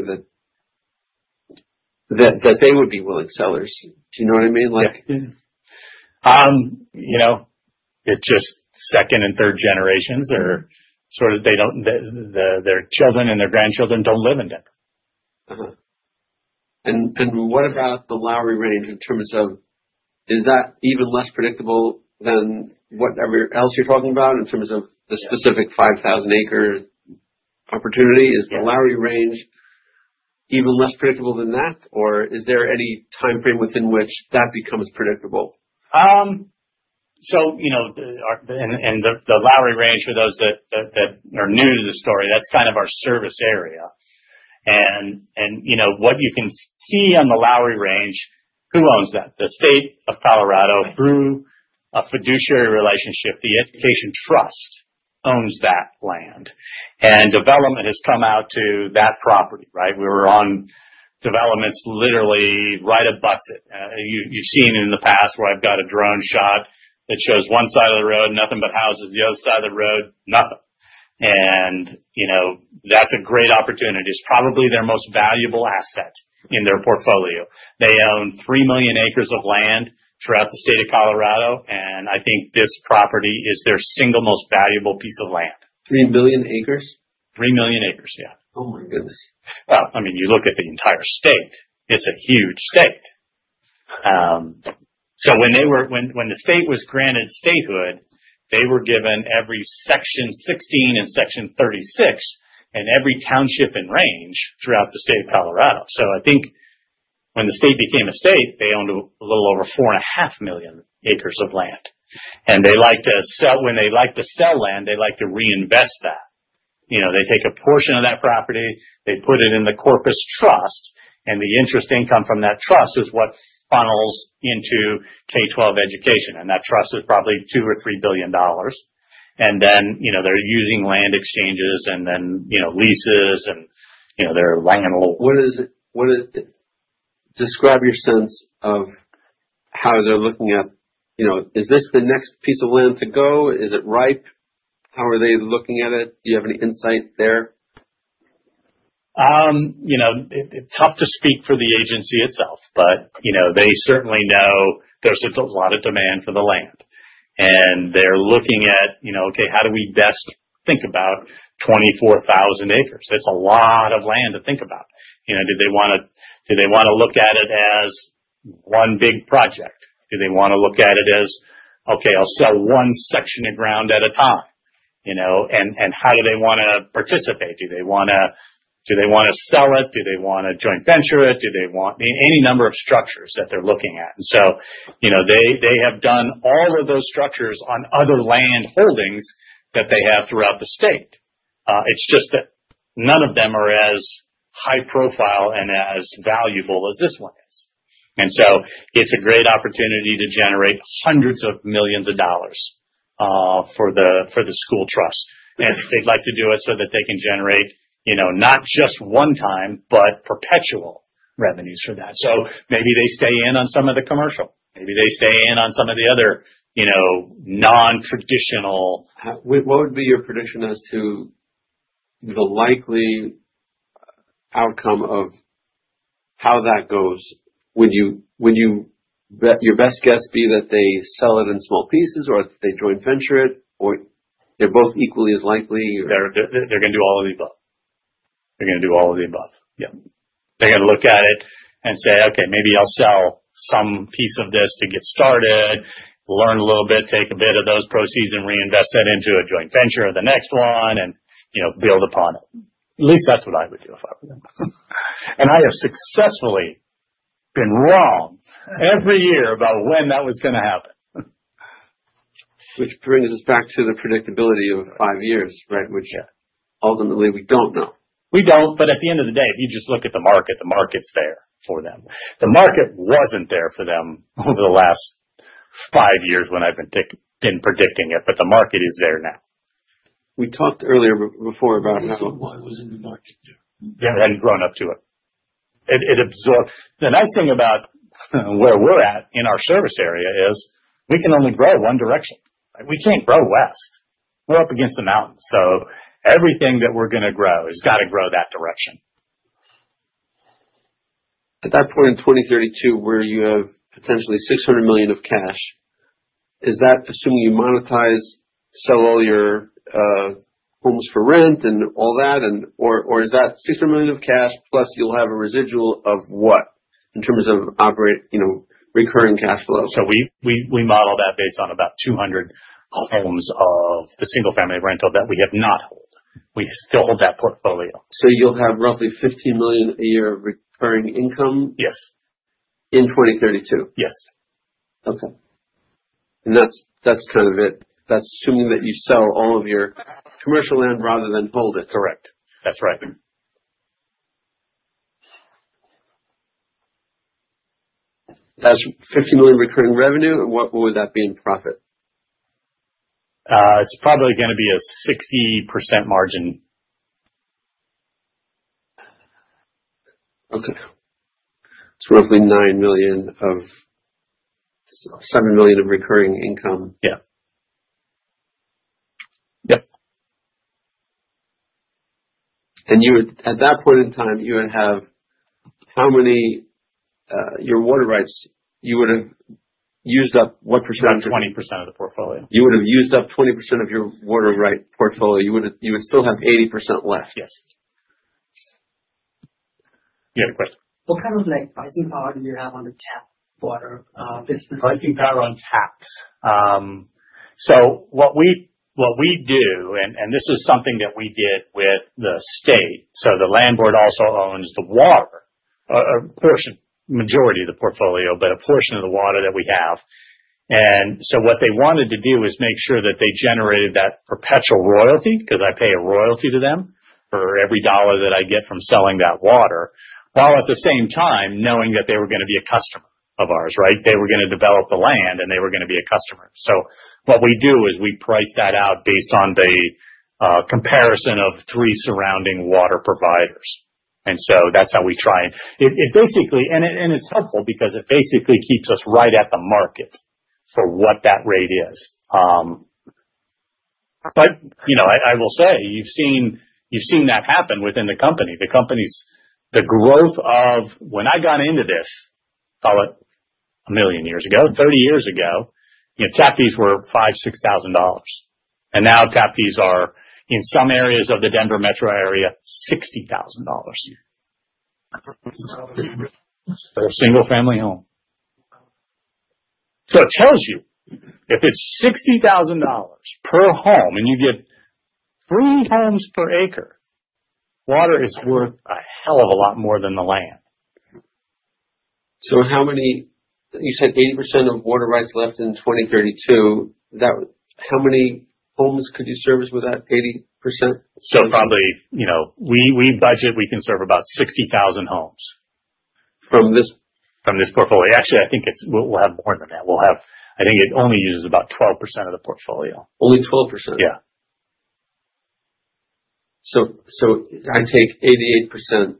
that they would be willing sellers? Do you know what I mean? Yeah.
It's just second and third generations or sort of their children and their grandchildren don't live in there.
What about the Lowry Range in terms of—is that even less predictable than whatever else you're talking about in terms of the specific 5,000-acre opportunity? Is the Lowry Range even less predictable than that, or is there any timeframe within which that becomes predictable?
In the Lowry Range, for those that are new to the story, that's kind of our service area. What you can see on the Lowry Range, who owns that? The state of Colorado through a fiduciary relationship, the Education Trust owns that land. Development has come out to that property, right? We were on developments literally right above it. You've seen in the past where I've got a drone shot that shows one side of the road, nothing but houses. The other side of the road, nothing. And that's a great opportunity. It's probably their most valuable asset in their portfolio. They own 3 million acres of land throughout the state of Colorado. I think this property is their single most valuable piece of land.
3 million acres?
3 million acres, yeah.
Oh my goodness.
I mean, you look at the entire state. It's a huge state. When the state was granted statehood, they were given every Section 16 and Section 36 and every township and range throughout the state of Colorado. I think when the state became a state, they owned a little over 4.5 million acres of land. When they like to sell land, they like to reinvest that. They take a portion of that property. They put it in the Corpus Trust, and the interest income from that trust is what funnels into K-12 education. That trust is probably $2 billion-$3 billion. They are using land exchanges and leases, and they are laying in a little—
What is it? Describe your sense of how they are looking at—is this the next piece of land to go? Is it ripe? How are they looking at it? Do you have any insight there?
It's tough to speak for the agency itself, but they certainly know there is a lot of demand for the land. They are looking at, okay, how do we best think about 24,000 acres? It's a lot of land to think about. Do they want to look at it as one big project? Do they want to look at it as, okay, I'll sell one section of ground at a time? How do they want to participate? Do they want to sell it? Do they want to joint venture it? Do they want—any number of structures that they're looking at. They have done all of those structures on other land holdings that they have throughout the state. It's just that none of them are as high profile and as valuable as this one is. It's a great opportunity to generate hundreds of millions of dollars for the school trust. They'd like to do it so that they can generate not just one time, but perpetual revenues for that. Maybe they stay in on some of the commercial. Maybe they stay in on some of the other non-traditional.
What would be your prediction as to the likely outcome of how that goes? Would your best guess be that they sell it in small pieces or that they joint venture it, or they're both equally as likely?
They're going to do all of the above. They're going to do all of the above. Yeah. They're going to look at it and say, "Okay, maybe I'll sell some piece of this to get started, learn a little bit, take a bit of those proceeds and reinvest that into a joint venture, the next one, and build upon it." At least that's what I would do if I were them. And I have successfully been wrong every year about when that was going to happen.
Which brings us back to the predictability of five years, right, which ultimately we don't know.
We don't, but at the end of the day, if you just look at the market, the market's there for them. The market was not there for them over the last five years when I have been predicting it, but the market is there now.
We talked earlier before about how—Why was not the market there?
Yeah, I had not grown up to it. The nice thing about where we are at in our service area is we can only grow one direction. We cannot grow west. We are up against the mountain. Everything that we are going to grow has got to grow that direction. At that point in 2032, where you have potentially $600 million of cash, is that assuming you monetize, sell all your homes for rent and all that, or is that $600 million of cash plus you will have a residual of what in terms of recurring cash flow? We model that based on about 200 homes of the single-family rental that we have not held. We still hold that portfolio.
You'll have roughly $15 million a year of recurring income?
Yes.
In 2032?
Yes.
Okay. That's kind of it. That's assuming that you sell all of your commercial land rather than hold it.
Correct. That's right.
That's $15 million recurring revenue. What would that be in profit?
It's probably going to be a 60% margin.
Okay. It's roughly $7 million of recurring income.
Yeah. Yep.
At that point in time, you would have how many of your water rights? You would have used up what percentage?
About 20% of the portfolio.
You would have used up 20% of your water right portfolio. You would still have 80% left.
Yes. You had a question.
What kind of pricing power do you have on the tap water business?
Pricing power on taps. What we do, and this is something that we did with the state, the landlord also owns the water, a majority of the portfolio, but a portion of the water that we have. What they wanted to do is make sure that they generated that perpetual royalty because I pay a royalty to them for every dollar that I get from selling that water, while at the same time knowing that they were going to be a customer of ours, right? They were going to develop the land, and they were going to be a customer. What we do is we price that out based on the comparison of three surrounding water providers. That is how we try and it basically, and it is helpful because it basically keeps us right at the market for what that rate is. I will say you've seen that happen within the company. The growth of when I got into this, call it a million years ago, 30 years ago, tap fees were $5,000, $6,000. Now tap fees are in some areas of the Denver metro area, $60,000 per single-family home. It tells you if it's $60,000 per home and you get three homes per acre, water is worth a hell of a lot more than the land.
How many—you said 80% of water rights left in 2032. How many homes could you service with that 80%?
Probably we budget we can serve about 60,000 homes from this portfolio. Actually, I think we'll have more than that. I think it only uses about 12% of the portfolio.
Only 12%?
Yeah.
I take 88%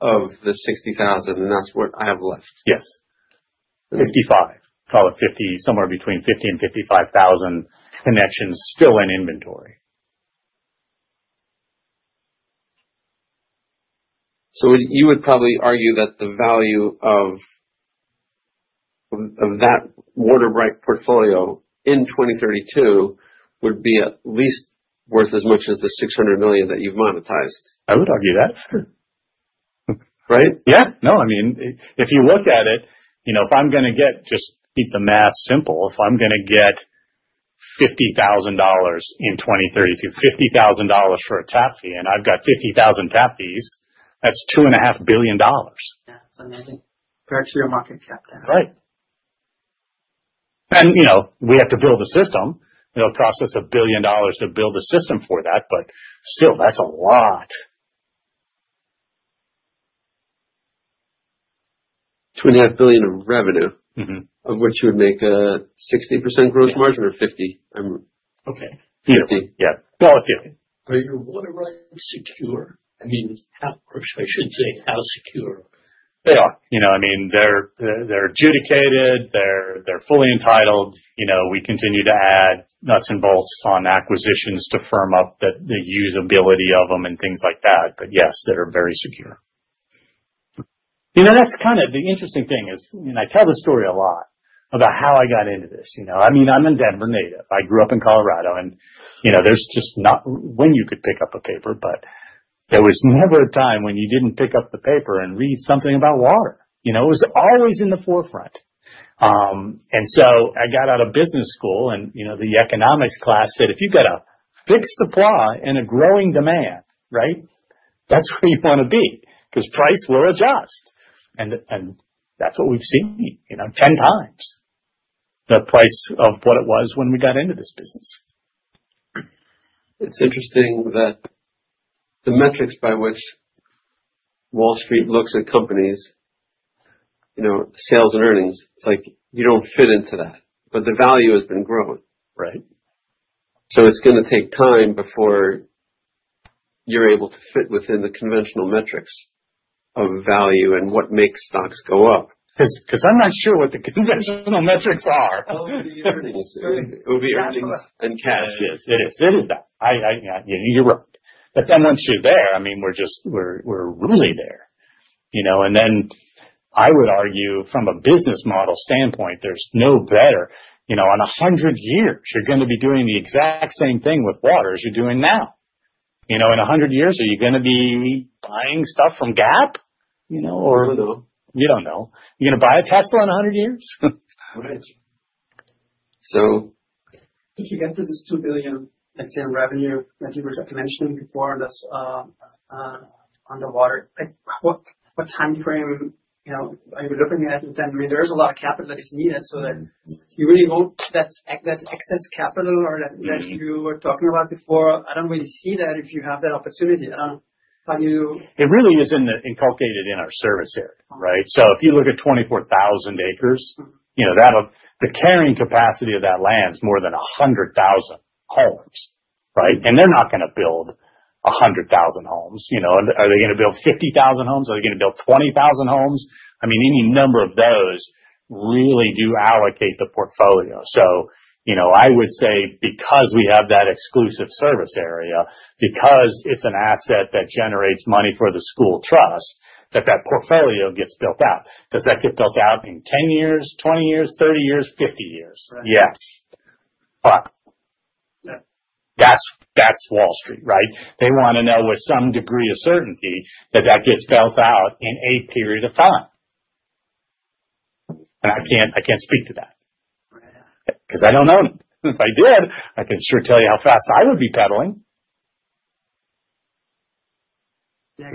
of the 60,000, and that's what I have left?
Yes. 55. Call it somewhere between 50,000 and 55,000 connections still in inventory.
You would probably argue that the value of that water right portfolio in 2032 would be at least worth as much as the $600 million that you've monetized.
I would argue that.
Right?
Yeah. I mean, if you look at it, if I'm going to get—just keep the math simple—if I'm going to get $50,000 in 2032, $50,000 for a tap fee, and I've got 50,000 tap fees, that's $2.5 billion.
That's amazing. Back to your market cap then.
Right. We have to build a system. It'll cost us $1 billion to build a system for that, but still, that's a lot.
$2.5 billion of revenue, of which you would make a 60% gross margin or 50%? Okay. 50%. Yeah. If you're water right secure, I mean, I shouldn't say how secure.
They are. I mean, they're adjudicated. They're fully entitled. We continue to add nuts and bolts on acquisitions to firm up the usability of them and things like that. Yes, they're very secure. That's kind of the interesting thing is, and I tell this story a lot about how I got into this. I mean, I'm a Denver native. I grew up in Colorado, and there's just not when you could pick up a paper, but there was never a time when you didn't pick up the paper and read something about water. It was always in the forefront. I got out of business school, and the economics class said, "If you've got a fixed supply and a growing demand, right, that's where you want to be because price will adjust." That's what we've seen, 10 times the price of what it was when we got into this business.
It's interesting that the metrics by which Wall Street looks at companies, sales and earnings, it's like you don't fit into that. The value has been grown, right? It's going to take time before you're able to fit within the conventional metrics of value and what makes stocks go up.
I'm not sure what the conventional metrics are. Over the earnings. Over the earnings and cash, yes. It is. It is that. You're right. Once you're there, I mean, we're really there. I would argue, from a business model standpoint, there's no better. In 100 years, you're going to be doing the exact same thing with water as you're doing now. In 100 years, are you going to be buying stuff from Gap, or? You don't know. You don't know. You're going to buy a Tesla in 100 years?
Right. If you get to this $2 billion, let's say, in revenue that you were just mentioning before that's underwater, what time frame are you looking at then? I mean, there is a lot of capital that is needed so that you really won't—that excess capital or that you were talking about before, I don't really see that if you have that opportunity. I don't know how you—
it really is inculcated in our service area, right? If you look at 24,000 acres, the carrying capacity of that land is more than 100,000 homes, right? They are not going to build 100,000 homes. Are they going to build 50,000 homes? Are they going to build 20,000 homes? I mean, any number of those really do allocate the portfolio. I would say, because we have that exclusive service area, because it is an asset that generates money for the school trust, that portfolio gets built out. Does that get built out in 10 years, 20 years, 30 years, 50 years? Yes. That is Wall Street, right? They want to know with some degree of certainty that that gets built out in a period of time. I cannot speak to that because I do not own it. If I did, I can sure tell you how fast I would be pedaling.
Jeff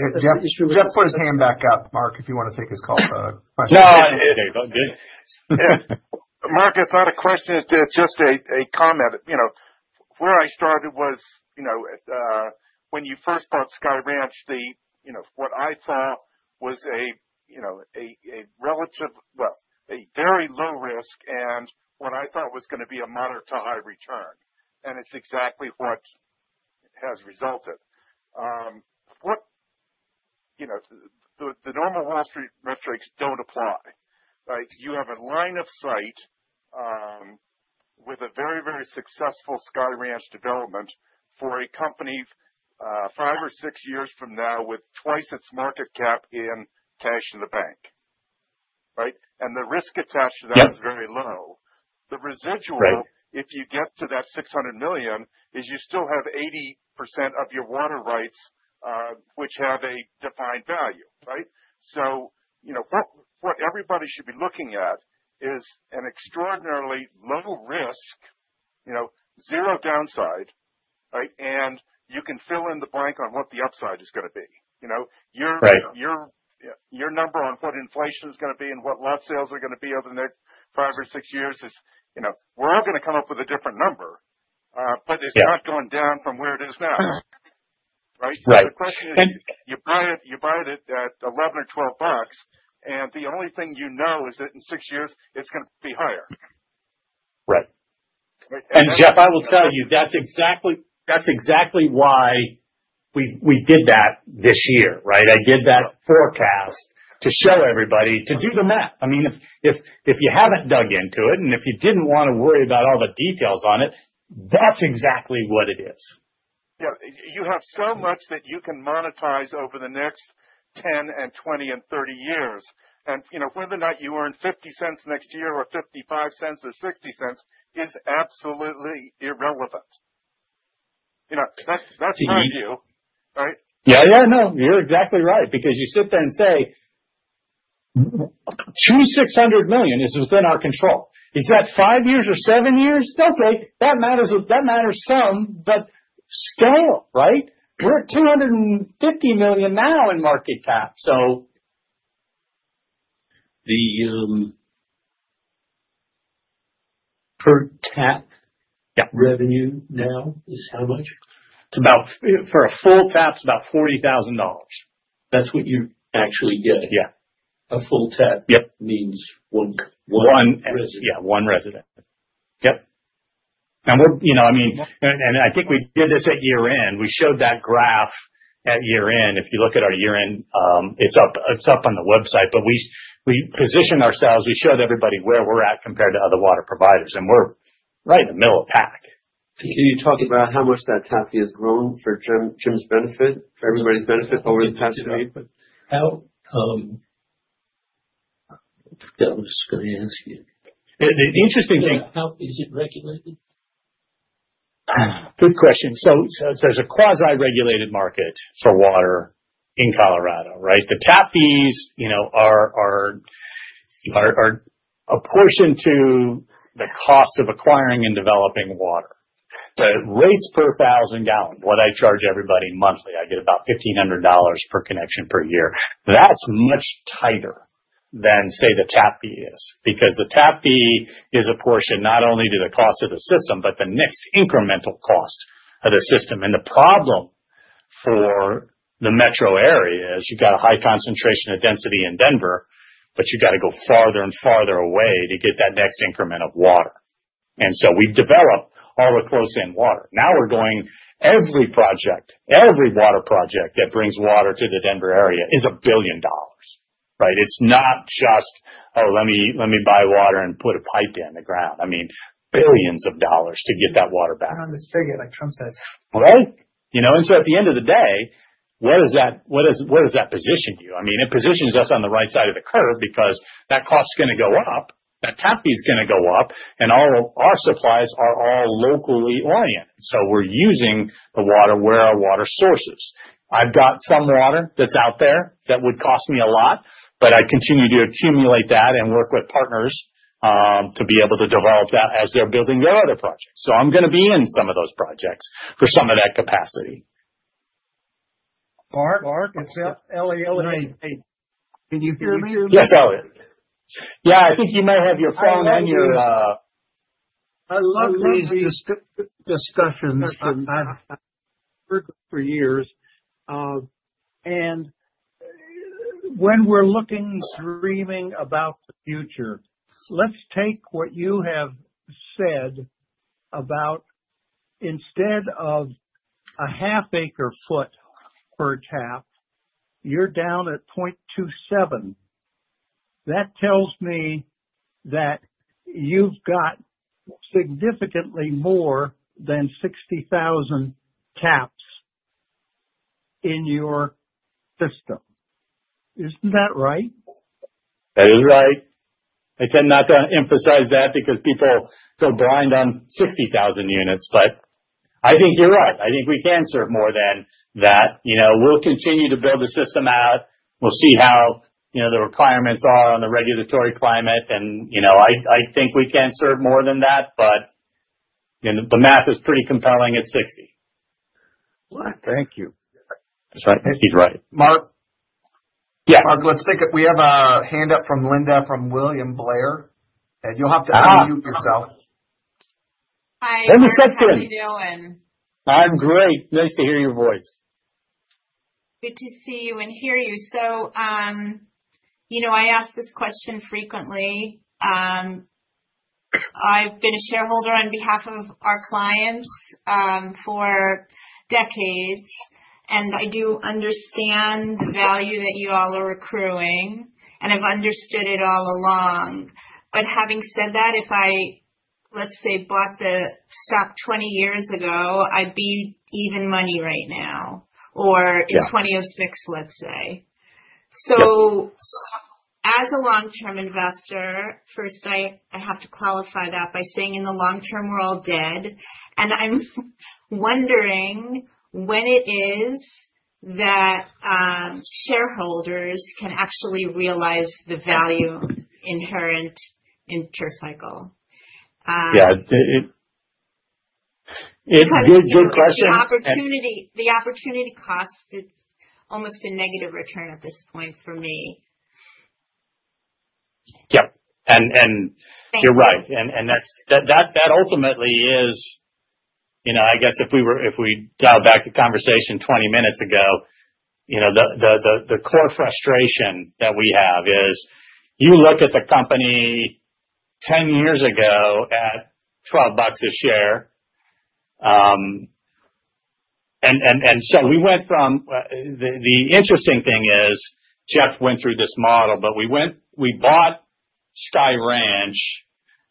put his hand back up, Mark, if you want to take his question.
No, it's okay. Mark, it's not a question. It's just a comment. Where I started was when you first bought Sky Ranch, what I thought was a relative, well, a very low risk, and what I thought was going to be a moderate to high return. And it's exactly what has resulted. The normal Wall Street metrics don't apply, right? You have a line of sight with a very, very successful Sky Ranch development for a company five or six years from now with twice its market cap in cash in the bank, right? And the risk attached to that is very low. The residual, if you get to that $600 million, is you still have 80% of your water rights, which have a defined value, right? What everybody should be looking at is an extraordinarily low risk, zero downside, right? You can fill in the blank on what the upside is going to be. Your number on what inflation is going to be and what lot sales are going to be over the next five or six years is we're all going to come up with a different number, but it's not going down from where it is now, right? The question is, you buy it at $11 or $12, and the only thing you know is that in six years, it's going to be higher.
Right. Jeff, I will tell you, that's exactly why we did that this year, right? I did that forecast to show everybody to do the math. I mean, if you haven't dug into it and if you didn't want to worry about all the details on it, that's exactly what it is.
Yeah. You have so much that you can monetize over the next 10 and 20 and 30 years. And whether or not you earn $0.50 next year or $0.55 or $0.60 is absolutely irrelevant. That's my view, right?
Yeah. Yeah. No, you're exactly right because you sit there and say, "Two $600 million is within our control." Is that five years or seven years? Okay. That matters some, but scale, right? We're at $250 million now in market cap, so.
The per tap revenue now is how much?
For a full tap, it's about $40,000.
That's what you actually get. A full tap means one resident.
Yeah. One resident. Yep. And I mean, and I think we did this at year-end. We showed that graph at year-end. If you look at our year-end, it's up on the website, but we positioned ourselves. We showed everybody where we're at compared to other water providers, and we're right in the middle of the pack.
Can you talk about how much that tap has grown for Jim's benefit, for everybody's benefit over the past year? I was just going to ask you. The interesting thing is, how is it regulated?
Good question. There is a quasi-regulated market for water in Colorado, right? The tap fees are a portion to the cost of acquiring and developing water. The rates per thousand gallons, what I charge everybody monthly, I get about $1,500 per connection per year. That's much tighter than, say, the tap fee is because the tap fee is a portion not only to the cost of the system, but the next incremental cost of the system. The problem for the metro area is you've got a high concentration of density in Denver, but you've got to go farther and farther away to get that next increment of water. We've developed all the close-in water. Now every project, every water project that brings water to the Denver area is a billion dollars, right? It's not just, "Oh, let me buy water and put a pipe down the ground." I mean, billions of dollars to get that water back. You're on this biggie, like Trump says. At the end of the day, what does that position you? I mean, it positions us on the right side of the curve because that cost is going to go up, that tap fee is going to go up, and all our supplies are all locally oriented. So we're using the water where our water sources. I've got some water that's out there that would cost me a lot, but I continue to accumulate that and work with partners to be able to develop that as they're building their other projects. So I'm going to be in some of those projects for some of that capacity.
Mark? Mark, it's Elliot. Can you hear me?
Yes, Elliot. Yeah. I think you might have your phone on your.
I love these discussions. I've heard for years. And when we're looking, dreaming about the future, let's take what you have said about instead of a half-acre foot per tap, you're down at 0.27. That tells me that you've got significantly more than 60,000 taps in your system. Isn't that right? That is right.
I tend not to emphasize that because people go blind on 60,000 units, but I think you're right. I think we can serve more than that. We'll continue to build the system out. We'll see how the requirements are on the regulatory climate. I think we can serve more than that, but the math is pretty compelling at 60.
Thank you.
That's right. He's right.
Mark? Yeah. Mark, let's take it. We have a hand up from Linda from William Blair. You'll have to unmute yourself.
Hi. Hi.
Linda Sutkin. How are you doing? I'm great. Nice to hear your voice.
Good to see you and hear you. I ask this question frequently. I've been a shareholder on behalf of our clients for decades, and I do understand the value that you all are accruing, and I've understood it all along. Having said that, if I, let's say, bought the stock 20 years ago, I'd be even money right now, or in 2006, let's say. As a long-term investor, first, I have to qualify that by saying in the long term, we're all dead. I'm wondering when it is that shareholders can actually realize the value inherent in Pure Cycle.
Yeah. It's a good question.
The opportunity cost, it's almost a negative return at this point for me.
Yep. You're right. That ultimately is, I guess, if we dialed back the conversation 20 minutes ago, the core frustration that we have is you look at the company 10 years ago at $12 a share. We went from, the interesting thing is Jeff went through this model, but we bought Sky Ranch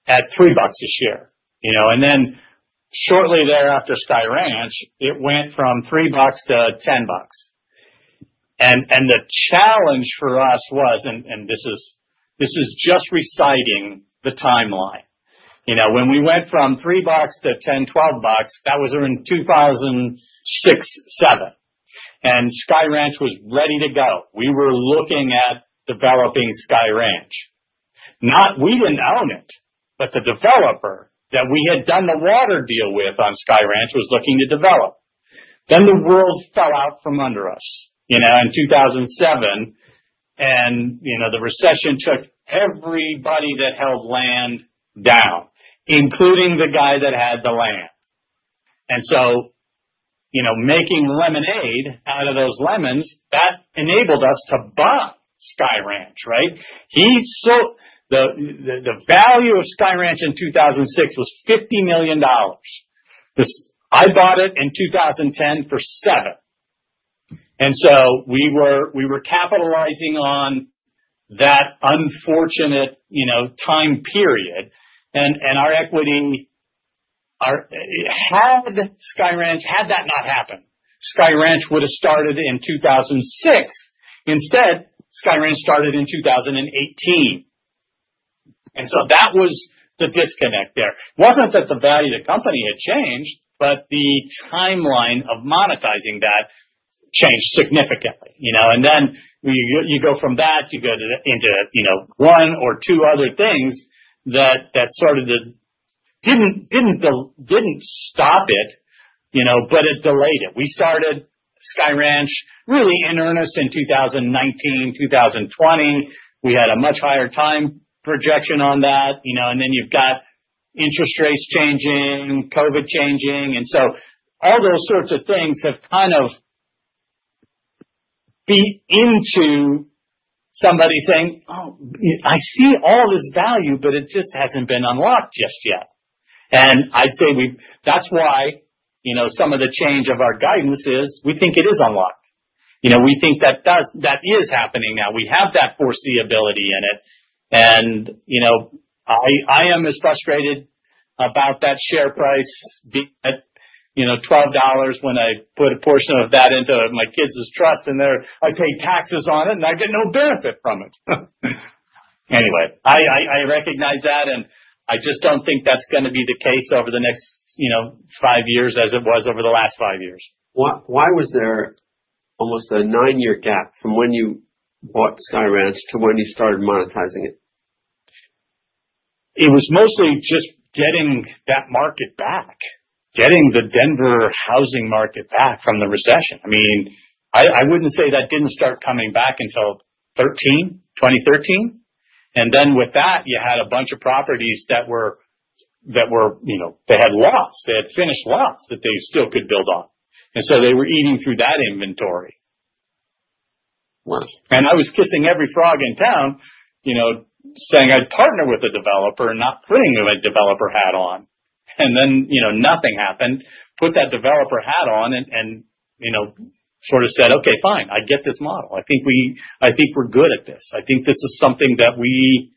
at $3 a share. Shortly thereafter, Sky Ranch went from $3 to $10. The challenge for us was, and this is just reciting the timeline, when we went from $3 to $10, $12, that was around 2006, 2007. Sky Ranch was ready to go. We were looking at developing Sky Ranch. We did not own it, but the developer that we had done the water deal with on Sky Ranch was looking to develop. The world fell out from under us in 2007, and the recession took everybody that held land down, including the guy that had the land. Making lemonade out of those lemons, that enabled us to buy Sky Ranch, right? The value of Sky Ranch in 2006 was $50 million. I bought it in 2010 for $7 million. I was capitalizing on that unfortunate time period. Our equity, had Sky Ranch had that not happened, Sky Ranch would have started in 2006. Instead, Sky Ranch started in 2018. That was the disconnect there. It was not that the value of the company had changed, but the timeline of monetizing that changed significantly. You go from that, you go into one or two other things that sort of did not stop it, but it delayed it. We started Sky Ranch really in earnest in 2019, 2020. We had a much higher time projection on that. You have interest rates changing, COVID changing. All those sorts of things have kind of beat into somebody saying, "Oh, I see all this value, but it just hasn't been unlocked just yet." I'd say that's why some of the change of our guidance is we think it is unlocked. We think that is happening now. We have that foreseeability in it. I am as frustrated about that share price being at $12 when I put a portion of that into my kids' trust, and I paid taxes on it, and I get no benefit from it. Anyway, I recognize that, and I just don't think that's going to be the case over the next five years as it was over the last five years.
Why was there almost a nine-year gap from when you bought Sky Ranch to when you started monetizing it?
It was mostly just getting that market back, getting the Denver housing market back from the recession. I mean, I wouldn't say that didn't start coming back until 2013. I mean, with that, you had a bunch of properties that were, they had lots. They had finished lots that they still could build on. They were eating through that inventory. I was kissing every frog in town saying I'd partner with a developer and not putting a developer hat on. Nothing happened. Put that developer hat on and sort of said, "Okay, fine. I get this model. I think we're good at this. I think this is something that we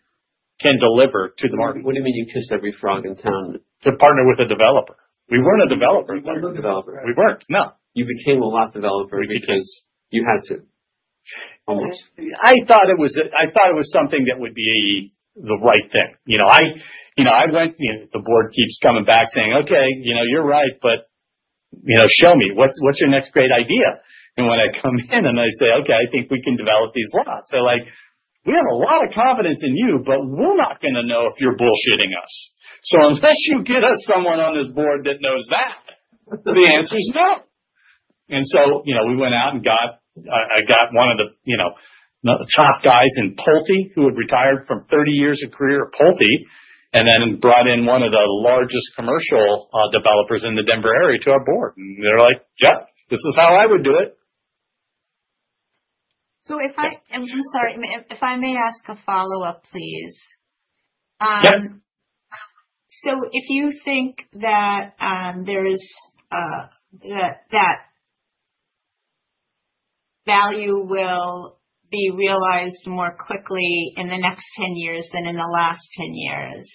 can deliver to the market."
What do you mean you kissed every frog in town?
To partner with a developer. We weren't a developer then. We weren't a developer. We weren't. No.
You became a lot developer because you had to almost.
I thought it was I thought it was something that would be the right thing. I went to the board, keeps coming back saying, "Okay, you're right, but show me. What's your next great idea?" When I come in and I say, "Okay, I think we can develop these lots." They're like, "We have a lot of confidence in you, but we're not going to know if you're bullshitting us. So unless you get us someone on this board that knows that, the answer is no." We went out and got I got one of the top guys in Pulte who had retired from 30 years of career at Pulte and then brought in one of the largest commercial developers in the Denver area to our board. They're like, "Jeff, this is how I would do it."
If I may ask a follow-up, please. If you think that that value will be realized more quickly in the next 10 years than in the last 10 years,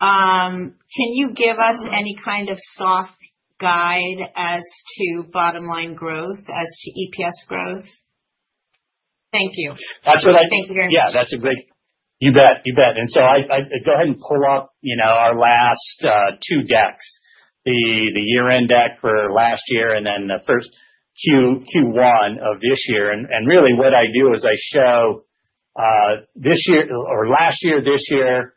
can you give us any kind of soft guide as to bottom-line growth, as to EPS growth? Thank you.
That's what I—thank you very much. Yeah. That's a great—you bet. You bet. I go ahead and pull up our last two decks, the year-end deck for last year and then the first Q1 of this year. Really, what I do is I show this year or last year, this year,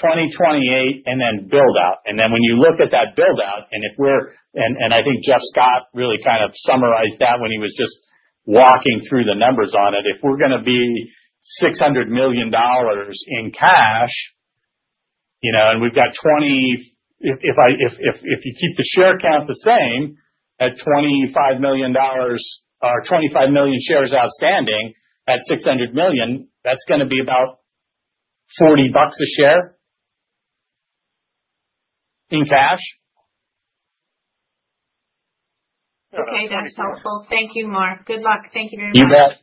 2028, and then build-out. When you look at that build-out, and I think Jeff Scott really kind of summarized that when he was just walking through the numbers on it, if we're going to be $600 million in cash, and we've got 20—if you keep the share count the same at $25 million or 25 million shares outstanding at $600 million, that's going to be about $40 a share in cash.
Okay. That's helpful. Thank you, Mark. Good luck. Thank you very much.
You bet.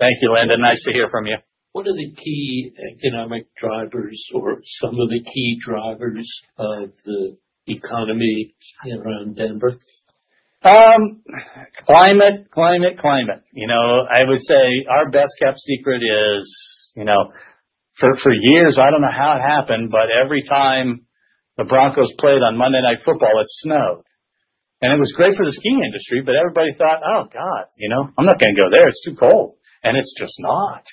Thank you, Linda. Nice to hear from you.
What are the key economic drivers or some of the key drivers of the economy around Denver?
Climate, climate, climate. I would say our best kept secret is for years, I don't know how it happened, but every time the Broncos played on Monday Night Football, it snowed. It was great for the ski industry, but everybody thought, "Oh, God, I'm not going to go there. It's too cold." It's just not.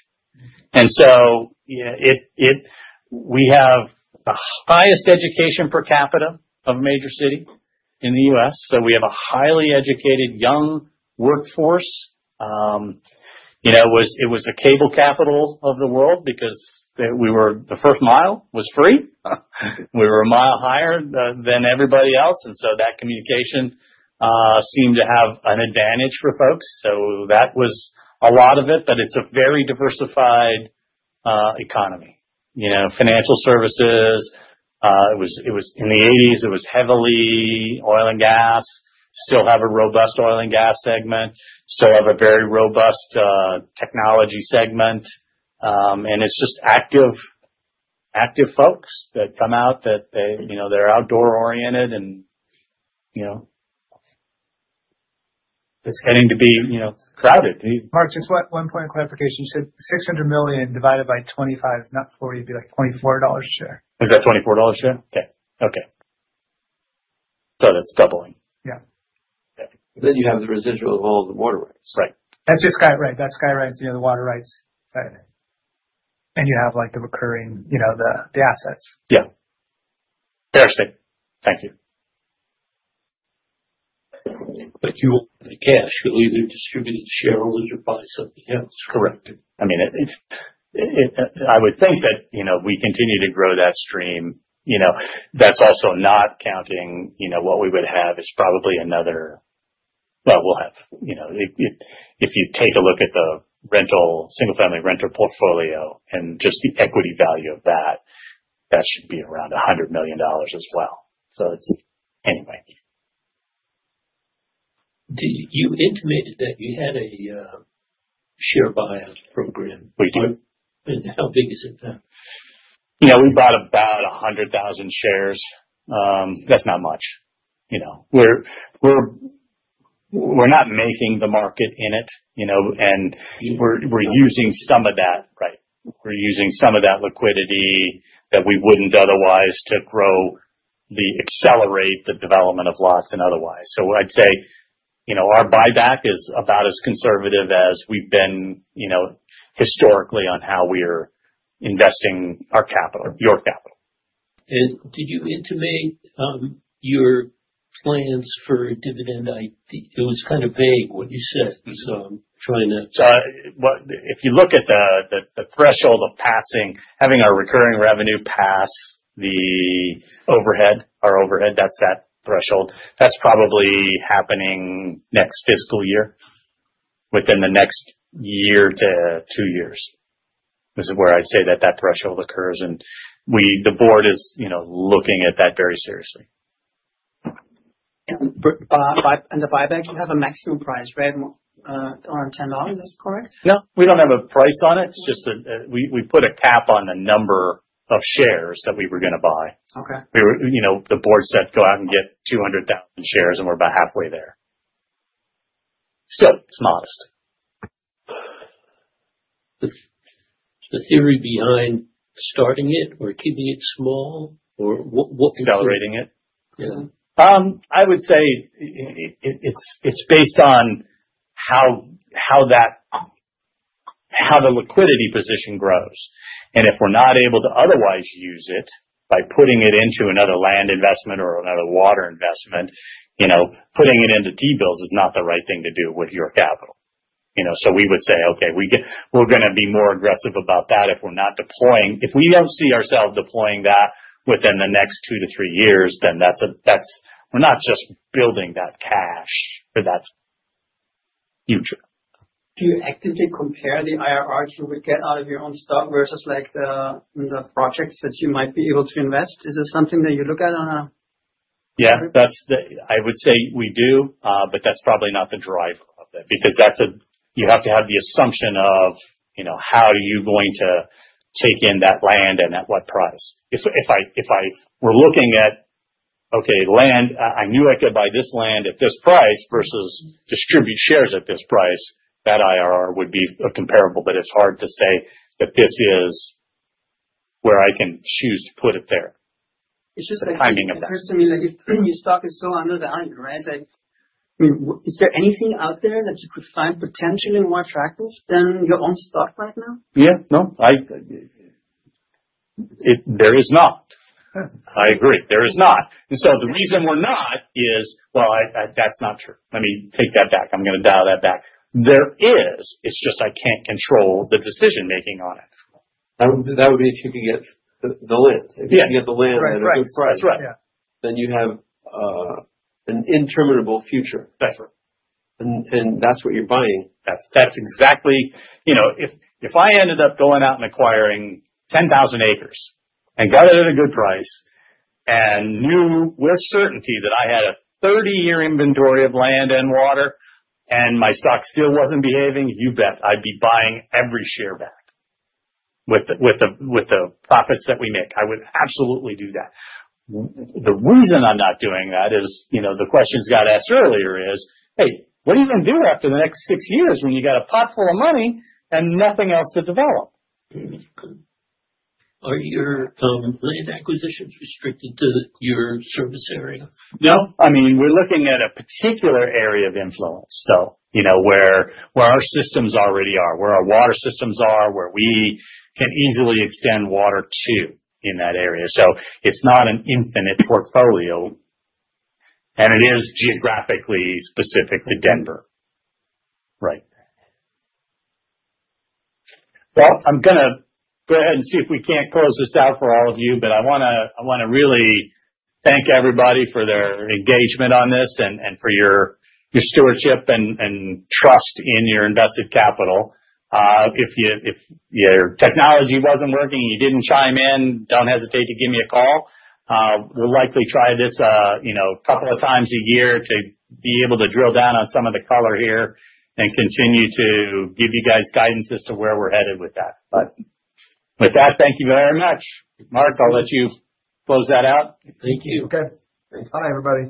We have the highest education per capita of a major city in the U.S. We have a highly educated young workforce. It was the cable capital of the world because the first mile was free. We were a mile higher than everybody else. That communication seemed to have an advantage for folks. That was a lot of it, but it's a very diversified economy. Financial services, in the 1980s, it was heavily oil and gas, still have a robust oil and gas segment, still have a very robust technology segment. It's just active folks that come out, they're outdoor-oriented, and it's getting to be crowded.
Mark, just one point of clarification.
You said $600 million divided by 25 is not 40, it'd be like $24 a share. Is that $24 a share? Okay. Okay. That is doubling.
You have the residual of all the water rights. Right.
That is just Sky Ranch. That is Sky Ranch, the water rights. You have the recurring, the assets.
Yeah. Fair statement. Thank you.
You want the cash, you will either distribute it to shareholders or buy something else.
Correct. I mean, I would think that we continue to grow that stream. That is also not counting what we would have is probably another—if you take a look at the single-family rental portfolio and just the equity value of that, that should be around $100 million as well. It is anyway.
You intimated that you had a share buyout program. We do. How big is it now? Yeah.
We bought about 100,000 shares. That's not much. We're not making the market in it. We're using some of that. Right. We're using some of that liquidity that we wouldn't otherwise to grow the accelerate the development of lots and otherwise. I'd say our buyback is about as conservative as we've been historically on how we're investing our capital, your capital.
Did you intimate your plans for dividend? It was kind of vague what you said. I'm trying to—
if you look at the threshold of passing, having our recurring revenue pass the overhead, our overhead, that's that threshold. That's probably happening next fiscal year, within the next year to two years. This is where I'd say that that threshold occurs. The board is looking at that very seriously.
The buyback, you have a maximum price, right? Around $10, is that correct?
No, we do not have a price on it. It is just we put a cap on the number of shares that we were going to buy. The board said, "Go out and get 200,000 shares," and we are about halfway there. It is modest.
The theory behind starting it or keeping it small or what?
Accelerating it? Yeah. I would say it is based on how the liquidity position grows. If we are not able to otherwise use it by putting it into another land investment or another water investment, putting it into T-bills is not the right thing to do with your capital. We would say, "Okay, we are going to be more aggressive about that if we are not deploying. If we do not see ourselves deploying that within the next two to three years, then we are not just building that cash for that future.
Do you actively compare the IRRs you would get out of your own stock versus the projects that you might be able to invest? Is this something that you look at on a?
Yeah. I would say we do, but that is probably not the driver of it because you have to have the assumption of how are you going to take in that land and at what price. If I were looking at, "Okay, land, I knew I could buy this land at this price versus distribute shares at this price," that IRR would be a comparable, but it is hard to say that this is where I can choose to put it there.
It's just that it hurts to me that your stock is so undervalued, right? I mean, is there anything out there that you could find potentially more attractive than your own stock right now?
Yeah. No. There is not. I agree. There is not. The reason we're not is, "Well, that's not true." Let me take that back. I'm going to dial that back. There is. It's just I can't control the decision-making on it. That would be if you could get the land. If you can get the land at a good price, then you have an interminable future. That's right. And that's what you're buying. That's exactly if I ended up going out and acquiring 10,000 acres and got it at a good price and knew with certainty that I had a 30-year inventory of land and water and my stock still wasn't behaving, you bet, I'd be buying every share back with the profits that we make. I would absolutely do that. The reason I'm not doing that is the question's got asked earlier is, "Hey, what do you going to do after the next six years when you got a potful of money and nothing else to develop?"
Are your land acquisitions restricted to your service area?
No. I mean, we're looking at a particular area of influence, though, where our systems already are, where our water systems are, where we can easily extend water to in that area. So it's not an infinite portfolio, and it is geographically specific to Denver. Right. I'm going to go ahead and see if we can't close this out for all of you, but I want to really thank everybody for their engagement on this and for your stewardship and trust in your invested capital. If your technology wasn't working and you didn't chime in, don't hesitate to give me a call. We'll likely try this a couple of times a year to be able to drill down on some of the color here and continue to give you guys guidance as to where we're headed with that. With that, thank you very much. Mark, I'll let you close that out.
Thank you. Okay. Thanks. Bye everybody.